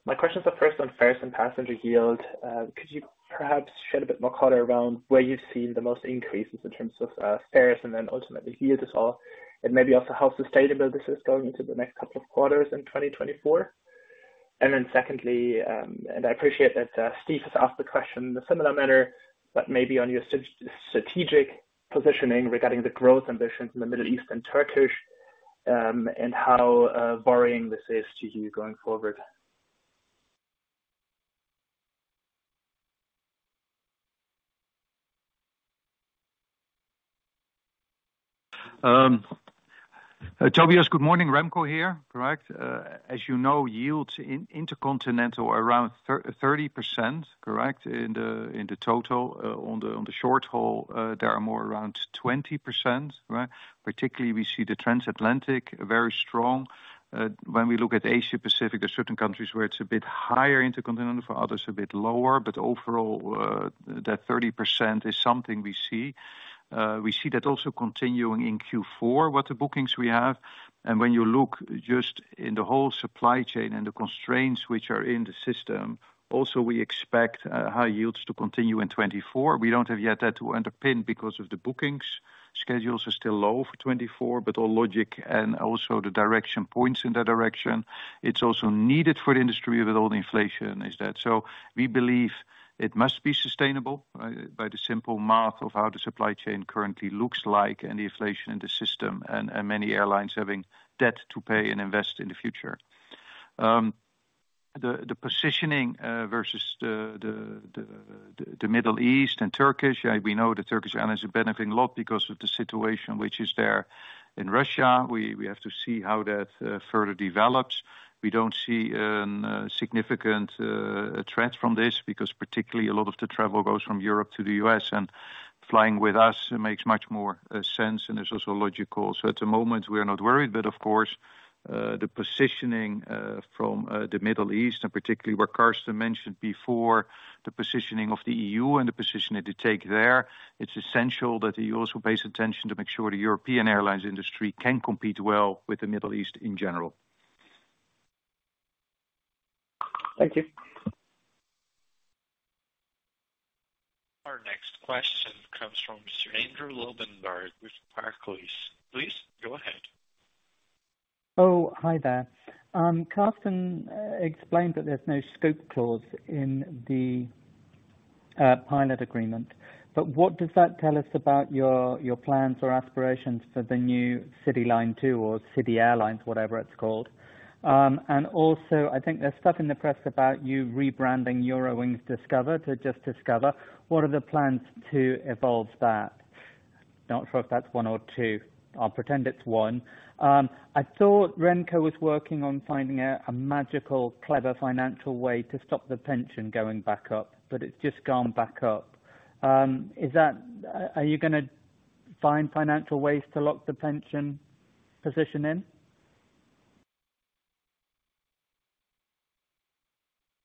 My questions are first on fares and passenger yield. Could you perhaps shed a bit more color around where you've seen the most increases in terms of fares, and then ultimately yield as well, and maybe also how sustainable this is going into the next couple of quarters in 2024? Secondly, I appreciate that Steve has asked the question in a similar manner, but maybe on your strategic positioning regarding the growth ambitions in the Middle East and Turkish, and how worrying this is to you going forward? Tobias, good morning, Remco here, correct? As you know, yields in intercontinental are around 30%, correct, in the total. On the short haul, they are more around 20%, right? Particularly, we see the trans-Atlantic very strong. When we look at Asia Pacific, there's certain countries where it's a bit higher intercontinental, for others, a bit lower. Overall, that 30% is something we see. We see that also continuing in Q4, with the bookings we have. When you look just in the whole supply chain and the constraints which are in the system, also, we expect high yields to continue in 2024. We don't have yet that to underpin because of the bookings. Schedules are still low for 2024, all logic and also the direction points in that direction. It's also needed for the industry with all the inflation is that. We believe it must be sustainable by the simple math of how the supply chain currently looks like, and the inflation in the system, and many airlines having debt to pay and invest in the future. The positioning versus the Middle East and Turkish, yeah, we know the Turkish Airlines is benefiting a lot because of the situation which is there in Russia. We, we have to see how that further develops. We don't see a significant threat from this, because particularly a lot of the travel goes from Europe to the US, and flying with us makes much more sense and is also logical. At the moment, we are not worried, but of course, the positioning from the Middle East and particularly what Carsten mentioned before, the positioning of the EU and the position they take there, it's essential that the EU also pays attention to make sure the European airlines industry can compete well with the Middle East in general. Thank you. Our next question comes from Sir Andrew Lobbenberg, with Barclays. Please go ahead. Hi there. Carsten explained that there's no scope clause in the pilot agreement, what does that tell us about your plans or aspirations for the new CityLine two or City Airlines, whatever it's called? Also, I think there's stuff in the press about you rebranding Eurowings Discover to just Discover. What are the plans to evolve that? Not sure if that's one or two. I'll pretend it's one. I thought Remco was working on finding out a magical, clever, financial way to stop the pension going back up, it's just gone back up. Is that, are you gonna find financial ways to lock the pension position in?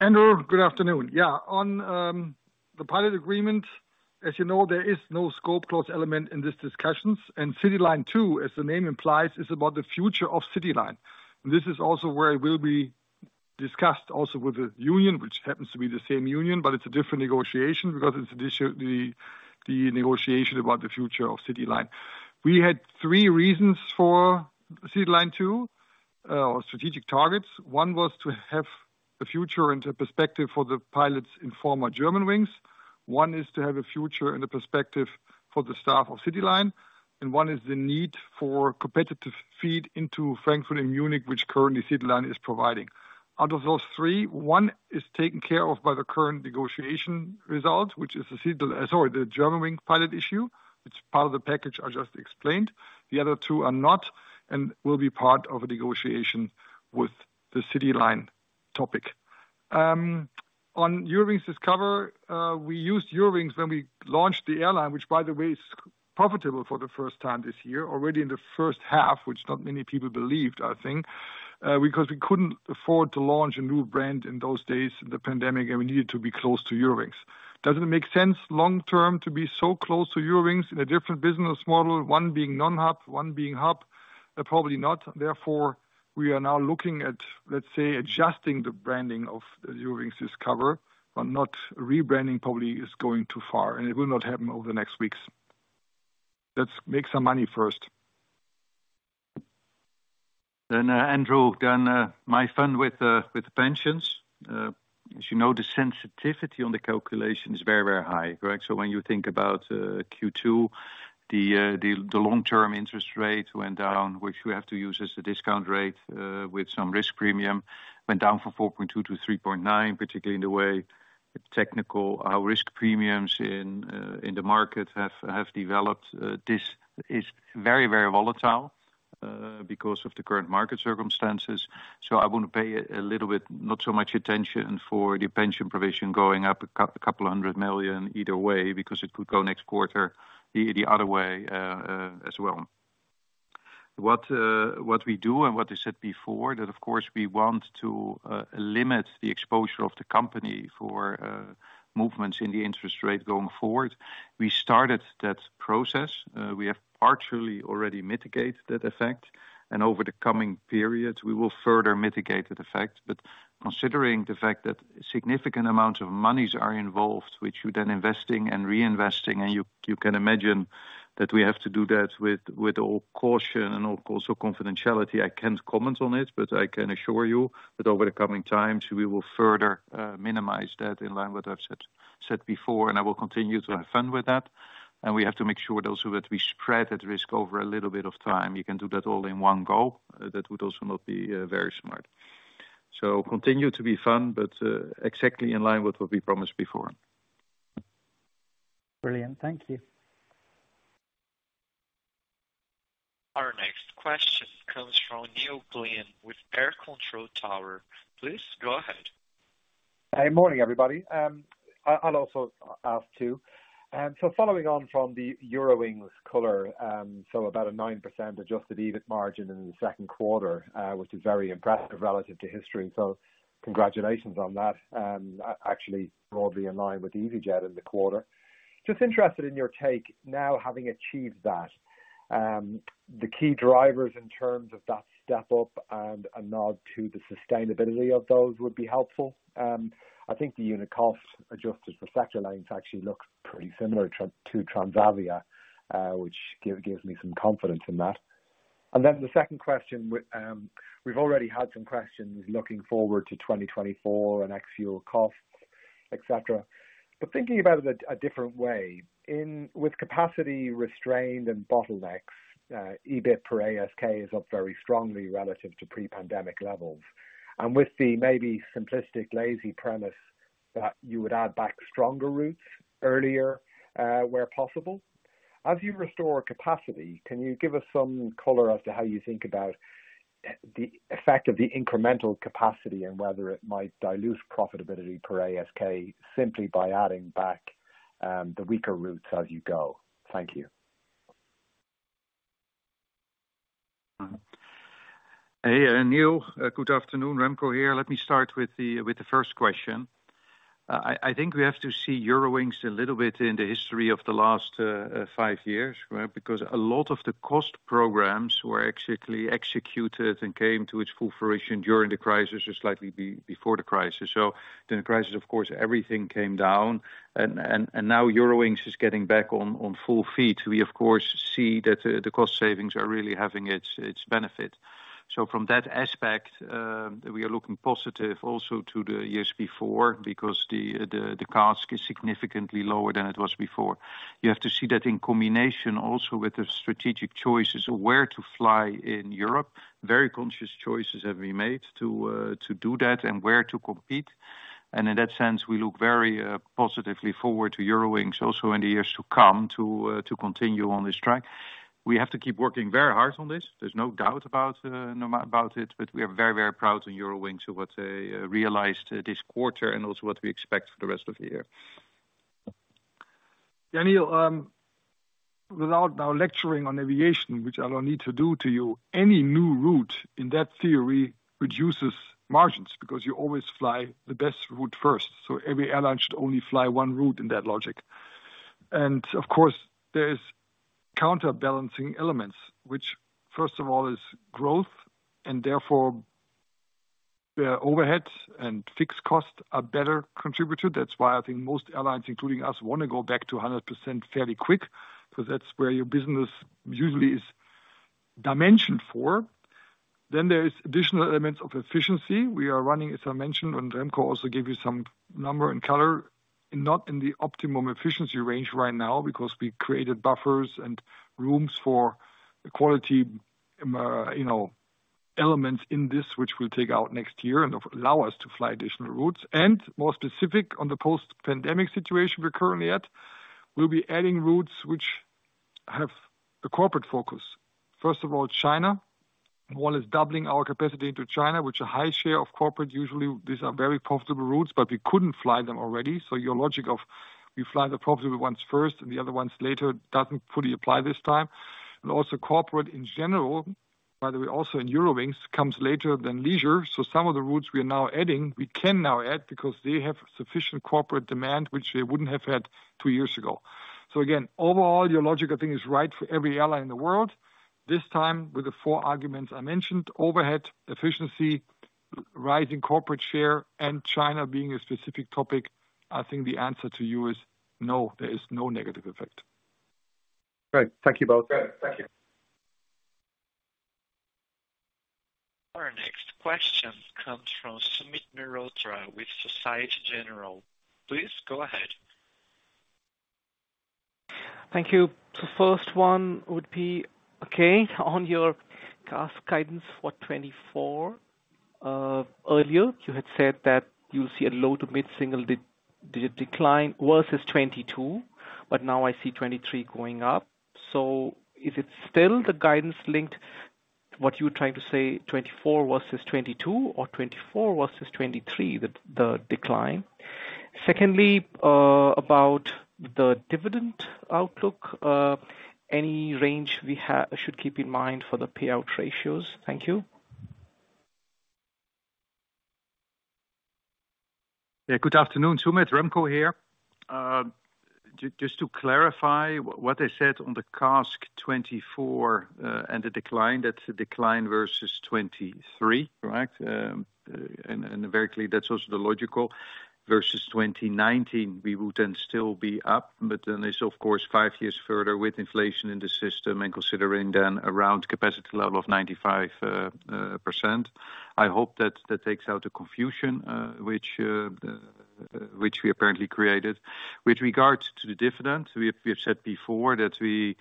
Andrew, good afternoon. Yeah, on the pilot agreement, as you know, there is no scope clause element in these discussions, and CityLine two, as the name implies, is about the future of CityLine. This is also where it will be discussed also with the union, which happens to be the same union, but it's a different negotiation because it's the negotiation about the future of CityLine. We had 3 reasons for CityLine two or strategic targets. 1 was to have a future into perspective for the pilots in former Germanwings. 1 is to have a future and a perspective for the staff of CityLine, and 1 is the need for competitive feed into Frankfurt and Munich, which currently CityLine is providing. Out of those 3, 1 is taken care of by the current negotiation result, which is the Germanwings pilot issue. It's part of the package I just explained. The other two are not, and will be part of a negotiation with the CityLine topic. On Eurowings Discover, we used Eurowings when we launched the airline, which, by the way, is profitable for the first time this year, already in the first half, which not many people believed, I think, because we couldn't afford to launch a new brand in those days in the pandemic, and we needed to be close to Eurowings. Does it make sense long term to be so close to Eurowings in a different business model, one being non-hub, one being hub? Probably not. Therefore, we are now looking at adjusting the branding of the Eurowings Discover, but not rebranding probably is going too far, and it will not happen over the next weeks. Let's make some money first. Andrew, my fun with the pensions. As you know, the sensitivity on the calculation is very, very high, correct? When you think about Q2, the long-term interest rate went down, which we have to use as a discount rate, with some risk premium, went down from 4.2 to 3.9, particularly in the way technical risk premiums in the market have developed. This is very, very volatile because of the current market circumstances, so I want to pay a little bit, not so much attention for the pension provision going up a couple hundred million EUR either way, because it could go next quarter the other way as well. What we do and what I said before, that of course, we want to limit the exposure of the company for movements in the interest rate going forward. We started that process. We have partially already mitigated that effect, and over the coming periods, we will further mitigate the effect. Considering the fact that significant amounts of monies are involved, which you're then investing and reinvesting, and you, you can imagine that we have to do that with, with all caution and also confidentiality, I can't comment on it. I can assure you that over the coming times, we will further minimize that in line with what I've said, said before, and I will continue to have fun with that. We have to make sure also that we spread that risk over a little bit of time. You can do that all in one go, that would also not be very smart. Continue to be fun, but exactly in line with what we promised before. Brilliant. Thank you. Our next question comes from Neil Glynn with AIR Control Tower. Please go ahead. Hey, morning, everybody. I'll also ask too. Following on from the Eurowings color, about a 9% Adjusted EBIT margin in the second quarter, which is very impressive relative to history, so congratulations on that. Actually broadly in line with easyJet in the quarter. Just interested in your take now, having achieved that, the key drivers in terms of that step up and a nod to the sustainability of those would be helpful. I think the unit cost adjusted for sector lengths actually looks pretty similar to Transavia, which gives me some confidence in that. The second question, with, we've already had some questions looking forward to 2024 and ex-fuel costs, et cetera. Thinking about it a different way, in, with capacity restrained and bottlenecks, EBIT per ASK is up very strongly relative to pre-pandemic levels. With the maybe simplistic, lazy premise that you would add back stronger routes earlier, where possible, as you restore capacity, can you give us some color as to how you think about the effect of the incremental capacity and whether it might dilute profitability per ASK simply by adding back the weaker routes as you go? Thank you. Hey, Neil, good afternoon, Remco here. Let me start with the first question. I think we have to see Eurowings a little bit in the history of the last 5 years, right? A lot of the cost programs were actually executed and came to its full fruition during the crisis or slightly before the crisis. During the crisis, of course, everything came down and now Eurowings is getting back on full feet. We of course see that the cost savings are really having its benefit. From that aspect, we are looking positive also to the years before, because the CASK is significantly lower than it was before. You have to see that in combination also with the strategic choices of where to fly in Europe. Very conscious choices have been made to to do that and where to compete, and in that sense, we look very positively forward to Eurowings also in the years to come, to to continue on this track. We have to keep working very hard on this. There's no doubt about it, but we are very, very proud of Eurowings, so what they realized this quarter and also what we expect for the rest of the year. Neil, without now lecturing on aviation, which I don't need to do to you, any new route, in that theory, reduces margins, because you always fly the best route first. Every airline should only fly one route in that logic. Of course, there is counterbalancing elements, which, first of all, is growth, and therefore, the overheads and fixed costs are better contributed. That's why I think most airlines, including us, want to go back to 100% fairly quick, because that's where your business usually is dimensioned for. There is additional elements of efficiency. We are running, as I mentioned, and Remco also gave you some number and color, not in the optimum efficiency range right now, because we created buffers and rooms for quality, you know, elements in this, which we'll take out next year and allow us to fly additional routes. More specific, on the post-pandemic situation we're currently at, we'll be adding routes which have a corporate focus. First of all, China. One is doubling our capacity into China, which a high share of corporate, usually these are very profitable routes, but we couldn't fly them already. Your logic of we fly the profitable ones first and the other ones later, doesn't fully apply this time. Also corporate in general, by the way, also in Eurowings, comes later than leisure. Some of the routes we are now adding, we can now add because they have sufficient corporate demand, which they wouldn't have had two years ago. Again, overall, your logic, I think, is right for every airline in the world. This time, with the four arguments I mentioned: overhead, efficiency, rising corporate share, and China being a specific topic, I think the answer to you is no, there is no negative effect. Great. Thank you both. Great. Thank you. Our next question comes from Sumit Mehrotra with Societe Generale. Please go ahead. Thank you. The first one would be, on your CASK guidance for 2024. Earlier, you had said that you'll see a low to mid-single digit decline versus 2022, but now I see 2023 going up. Is it still the guidance linked to what you were trying to say, 2024 versus 2022 or 2024 versus 2023, with the decline? Secondly, about the dividend outlook, any range we should keep in mind for the payout ratios? Thank you. Yeah, good afternoon, Sumit, Remco here. Just to clarify what I said on the CASK 2024 and the decline, that's a decline versus 2023, right? Vertically, that's also the logical. Versus 2019, we would then still be up, but then it's of course, 5 years further with inflation in the system and considering then around capacity level of 95%. I hope that that takes out the confusion which we apparently created. With regards to the dividend, we have said before that we,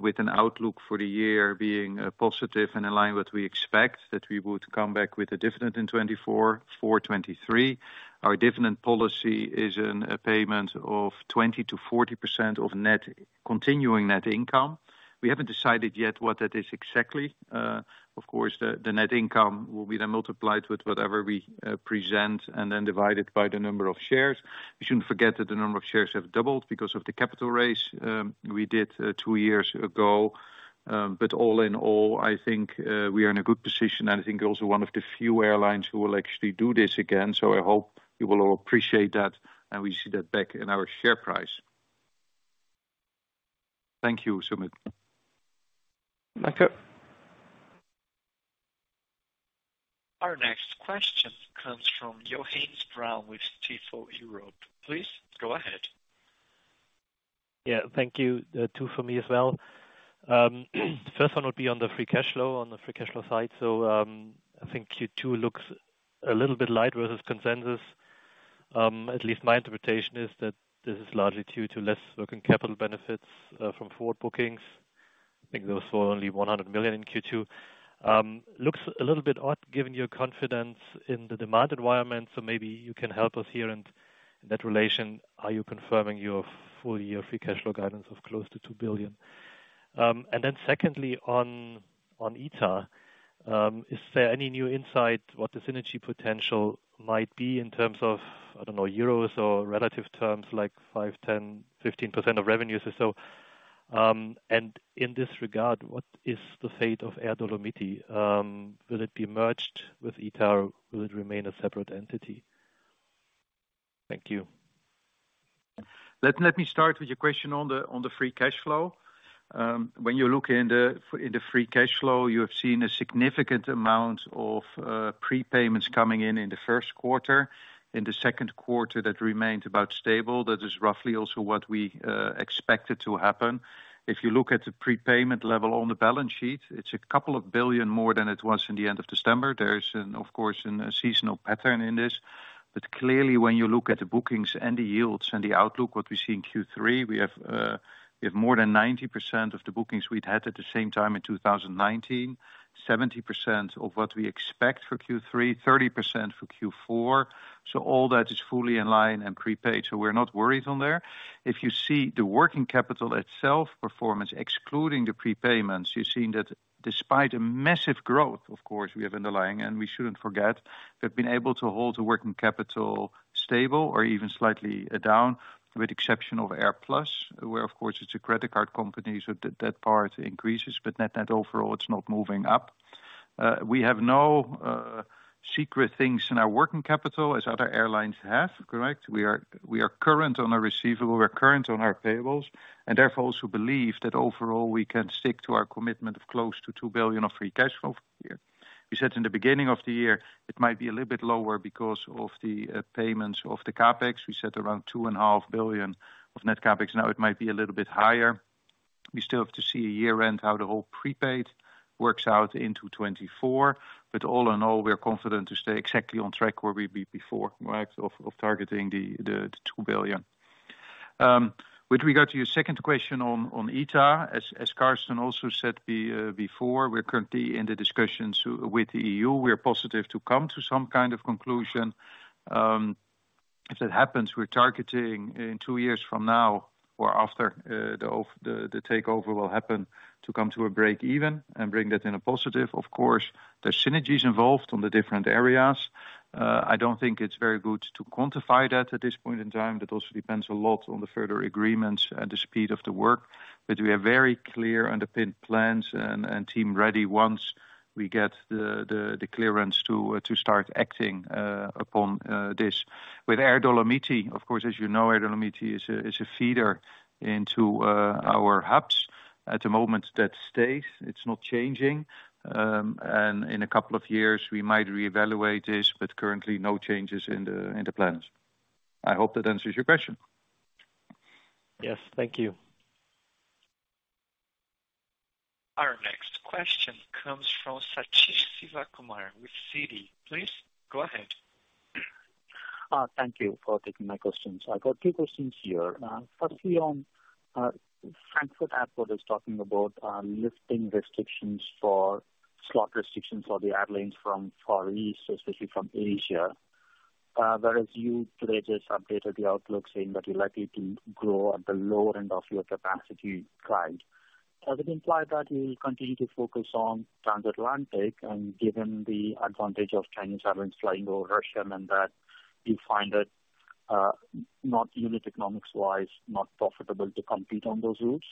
with an outlook for the year being positive and in line with we expect, that we would come back with a dividend in 2024 for 2023. Our dividend policy is a payment of 20%-40% of net, continuing net income. We haven't decided yet what that is exactly. Of course, the net income will be then multiplied with whatever we present and then divided by the number of shares. We shouldn't forget that the number of shares have doubled because of the capital raise we did 2 years ago. All in all, I think we are in a good position, and I think also one of the few airlines who will actually do this again. I hope you will all appreciate that, and we see that back in our share price. Thank you, Sumit. Thank you.... Our next question comes from Johannes Braun with Stifel Europe. Please, go ahead. Yeah, thank you. 2 for me as well. First one would be on the free cash flow, on the free cash flow side. I think Q2 looks a little bit light versus consensus. At least my interpretation is that this is largely due to less working capital benefits from forward bookings. I think those were only 100 million in Q2. Looks a little bit odd, given your confidence in the demand environment, maybe you can help us here in, in that relation. Are you confirming your full year free cash flow guidance of close to 2 billion? Secondly, on ITA, is there any new insight what the synergy potential might be in terms of, I don't know, euros or relative terms, like 5%, 10%, 15% of revenues or so? In this regard, what is the fate of Air Dolomiti? Will it be merged with ITA, or will it remain a separate entity? Thank you. Let, let me start with your question on the, on the free cash flow. When you look in the free cash flow, you have seen a significant amount of prepayments coming in, in the first quarter. In the second quarter, that remained about stable. That is roughly also what we expected to happen. If you look at the prepayment level on the balance sheet, it's a couple of billion more than it was in the end of December. There is, of course, a seasonal pattern in this, but clearly, when you look at the bookings and the yields and the outlook, what we see in Q3, we have, we have more than 90% of the bookings we'd had at the same time in 2019, 70% of what we expect for Q3, 30% for Q4. All that is fully in line and prepaid, so we're not worried on there. If you see the working capital itself, performance, excluding the prepayments, you're seeing that despite a massive growth, of course, we have underlying, and we shouldn't forget, we've been able to hold the working capital stable or even slightly down, with exception of AirPlus, where, of course, it's a credit card company, so that part increases, but net-net, overall, it's not moving up. We have no secret things in our working capital as other airlines have, correct? We are, we are current on our receivable, we are current on our payables, and therefore, also believe that overall we can stick to our commitment of close to 2 billion of free cash flow here. We said in the beginning of the year, it might be a little bit lower because of the payments of the CapEx. We said around 2.5 billion of net CapEx, now it might be a little bit higher. We still have to see year-end, how the whole prepaid works out into 2024, all in all, we are confident to stay exactly on track where we were before, right, of targeting the 2 billion. With regard to your second question on ITA, as Carsten also said before, we're currently in the discussions with the EU. We are positive to come to some kind of conclusion. If that happens, we're targeting in two years from now or after, the takeover will happen, to come to a break even and bring that in a positive. Of course, there are synergies involved on the different areas. I don't think it's very good to quantify that at this point in time. That also depends a lot on the further agreements and the speed of the work. We are very clear on the plans and, and team ready once we get the clearance to start acting upon this. With Air Dolomiti, of course, as you know, Air Dolomiti is a feeder into our hubs. At the moment, that stays, it's not changing, and in a couple of years we might reevaluate this, but currently no changes in the plans. I hope that answers your question. Yes. Thank you. Our next question comes from Satish Sivakumar with Citi. Please, go ahead. Thank you for taking my questions. I've got 2 questions here. Firstly on, Frankfurt Airport is talking about lifting restrictions for, slot restrictions for the airlines from Far East, especially from Asia. Whereas you today just updated the outlook, saying that you're likely to grow at the low end of your capacity guide. Does it imply that you'll continue to focus on transatlantic, and given the advantage of Chinese airlines flying over Russia, and that you find it not unit economics-wise, not profitable to compete on those routes?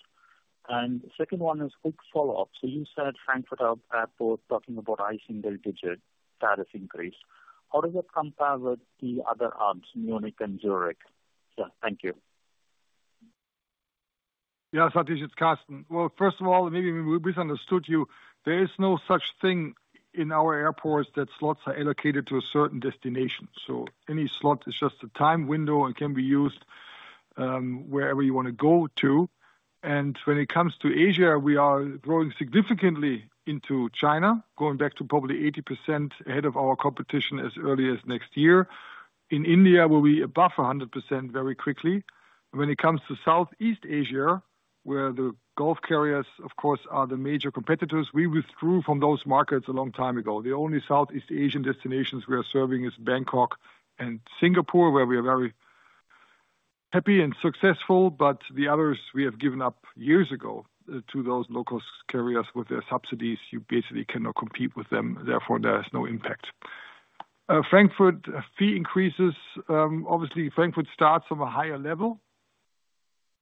Second one is quick follow-up. You said Frankfurt Air- Airport, talking about high single digit tariff increase. How does that compare with the other hubs, Munich and Zurich? Thank you. Yeah, Satish, it's Carsten. Well, first of all, maybe we misunderstood you. There is no such thing in our airports that slots are allocated to a certain destination. Any slot is just a time window and can be used wherever you want to go to. When it comes to Asia, we are growing significantly into China, going back to probably 80% ahead of our competition as early as next year. In India, we'll be above 100% very quickly. When it comes to Southeast Asia, where the Gulf carriers, of course, are the major competitors, we withdrew from those markets a long time ago. The only Southeast Asian destinations we are serving is Bangkok and Singapore, where we are very happy and successful, but the others we have given up years ago to those local carriers with their subsidies. You basically cannot compete with them, therefore, there is no impact. Frankfurt fee increases, obviously Frankfurt starts from a higher level,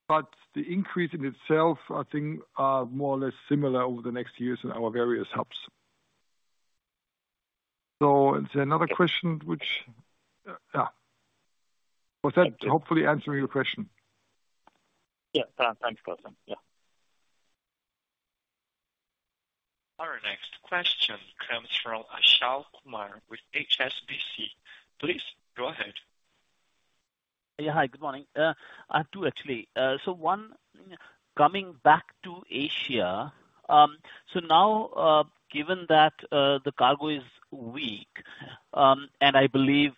but the increase in itself, I think, are more or less similar over the next years in our various hubs. Is there another question? Was that hopefully answering your question? Yeah. Thanks, Carsten. Yeah. Our next question comes from Achal Kumar with HSBC. Please go ahead. Yeah, hi, good morning. I have two, actually. One, coming back to Asia, now, given that the cargo is weak, and I believe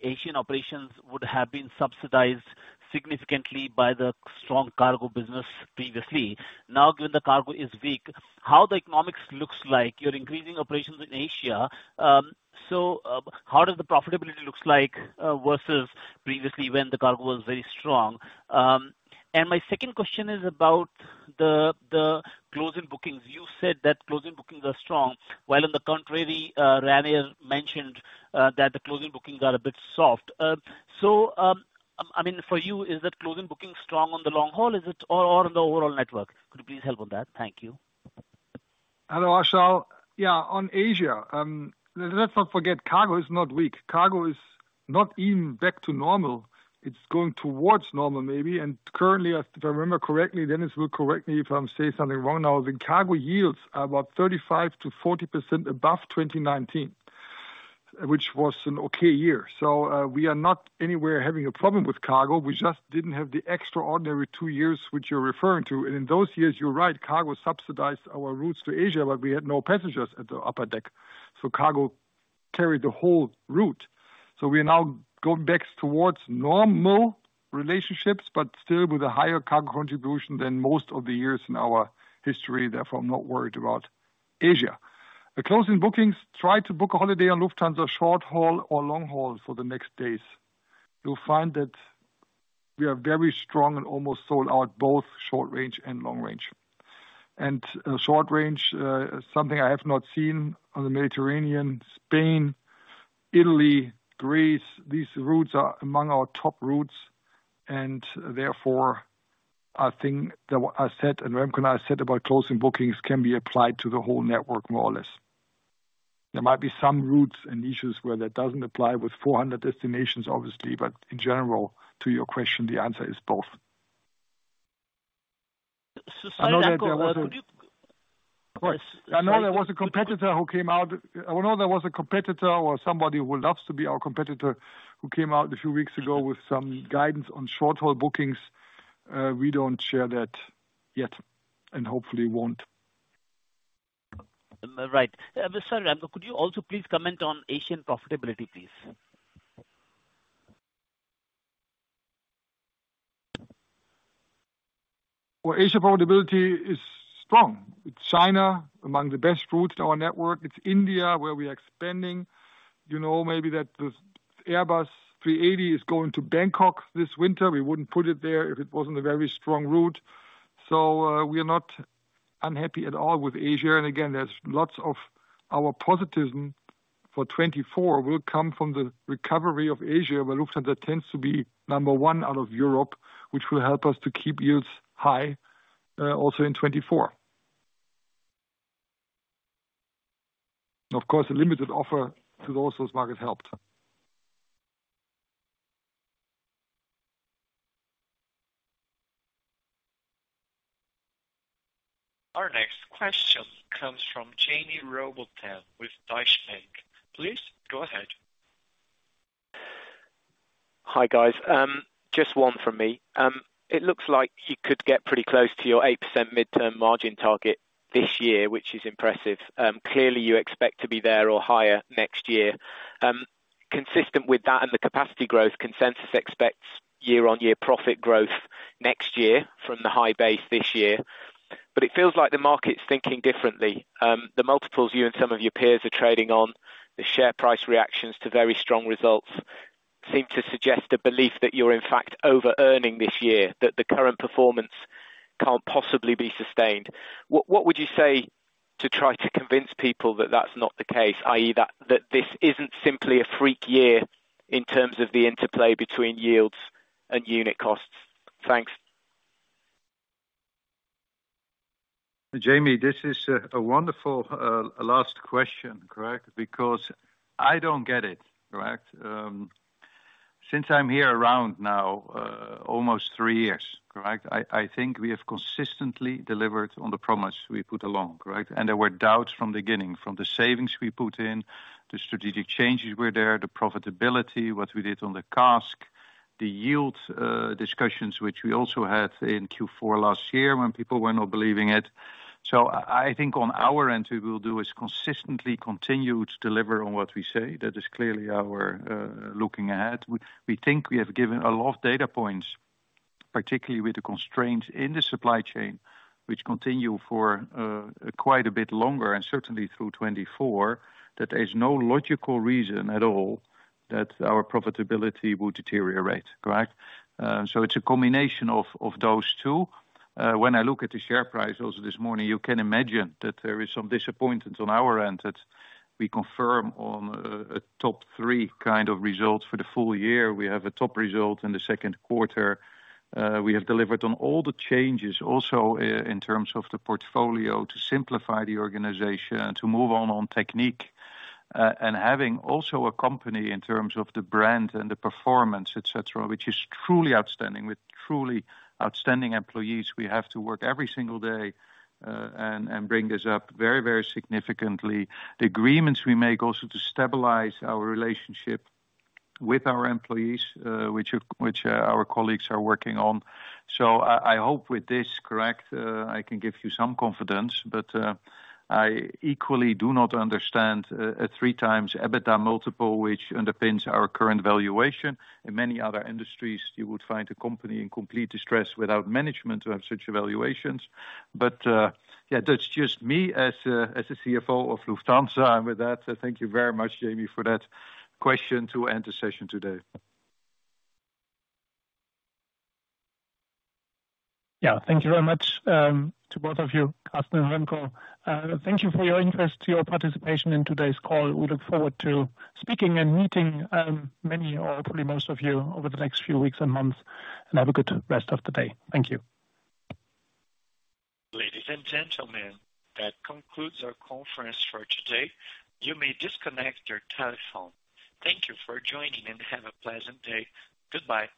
Asian operations would have been subsidized significantly by the strong cargo business previously. Now, given the cargo is weak, how the economics looks like, you're increasing operations in Asia, how does the profitability looks like versus previously when the cargo was very strong? My second question is about the closing bookings. You said that closing bookings are strong, while on the contrary, Remco Steenbergen mentioned that the closing bookings are a bit soft. I mean, for you, is that closing bookings strong on the long haul, is it, or on the overall network? Could you please help on that? Thank you. Hello, Achal. Yeah, on Asia, let's not forget, cargo is not weak. Cargo is not even back to normal. It's going towards normal, maybe, and currently, if I remember correctly, Dennis will correct me if I say something wrong now. The cargo yields are about 35%-40% above 2019, which was an okay year. We are not anywhere having a problem with cargo. We just didn't have the extraordinary two years which you're referring to. In those years, you're right, cargo subsidized our routes to Asia, but we had no passengers at the upper deck, so cargo carried the whole route. We are now going back towards normal relationships, but still with a higher cargo contribution than most of the years in our history, therefore, I'm not worried about Asia. The closing bookings, try to book a holiday on Lufthansa short haul or long haul for the next days. You'll find that we are very strong and almost sold out, both short range and long range. Short range is something I have not seen on the Mediterranean, Spain, Italy, Greece. These routes are among our top routes, and therefore, I think that what I said, and Remco and I said about closing bookings, can be applied to the whole network, more or less. There might be some routes and issues where that doesn't apply with 400 destinations, obviously, but in general, to your question, the answer is both. Remco. I know there was a competitor who came out. I know there was a competitor, or somebody who loves to be our competitor, who came out a few weeks ago with some guidance on short-haul bookings. We don't share that yet, and hopefully won't. Right. Remco, could you also please comment on Asian profitability, please? Well, Asia profitability is strong. It's China, among the best routes in our network. It's India, where we are expanding. You know, maybe that the Airbus A380 is going to Bangkok this winter. We wouldn't put it there if it wasn't a very strong route. We are not unhappy at all with Asia, and again, there's lots of our positivism for 2024 will come from the recovery of Asia, where Lufthansa tends to be number one out of Europe, which will help us to keep yields high, also in 2024. Of course, a limited offer to those markets helped. Our next question comes from Jaime Rowbotham with Deutsche Bank. Please go ahead. Hi, guys. Just one from me. It looks like you could get pretty close to your 8% midterm margin target this year, which is impressive. Clearly, you expect to be there or higher next year. Consistent with that and the capacity growth, consensus expects year-over-year profit growth next year from the high base this year. But it feels like the market's thinking differently. The multiples you and some of your peers are trading on, the share price reactions to very strong results, seem to suggest a belief that you're, in fact, over-earning this year, that the current performance can't possibly be sustained. What, what would you say to try to convince people that that's not the case, i.e., that, that this isn't simply a freak year in terms of the interplay between yields and unit costs? Thanks. Jaime, this is a wonderful last question, correct? I don't get it, correct. Since I'm here around now, almost three years, correct, I think we have consistently delivered on the promise we put along, correct? There were doubts from the beginning, from the savings we put in, the strategic changes were there, the profitability, what we did on the CASK, the yield discussions, which we also had in Q4 last year when people were not believing it. I think on our end, what we will do is consistently continue to deliver on what we say. That is clearly our looking ahead. We, we think we have given a lot of data points, particularly with the constraints in the supply chain, which continue for quite a bit longer, and certainly through 2024, that there's no logical reason at all that our profitability will deteriorate, correct? It's a combination of, of those two. When I look at the share price also this morning, you can imagine that there is some disappointment on our end, that we confirm on a, a top three kind of result for the full year. We have a top result in the second quarter. We have delivered on all the changes, also, in terms of the portfolio, to simplify the organization and to move on, on Technik. Having also a company in terms of the brand and the performance, et cetera, which is truly outstanding, with truly outstanding employees, we have to work every single day and bring this up very, very significantly. The agreements we make also to stabilize our relationship with our employees, which, which, our colleagues are working on. I, I hope with this, correct, I can give you some confidence, but I equally do not understand a 3x EBITA multiple, which underpins our current valuation. In many other industries, you would find a company in complete distress without management to have such evaluations. Yeah, that's just me as the CFO of Lufthansa. With that, thank you very much, Jaime, for that question to end the session today. Yeah. Thank you very much, to both of you, Carsten and Remco. Thank you for your interest, your participation in today's call. We look forward to speaking and meeting, many or probably most of you, over the next few weeks and months. Have a good rest of the day. Thank you. Ladies and gentlemen, that concludes our conference for today. You may disconnect your telephone. Thank you for joining, and have a pleasant day. Goodbye.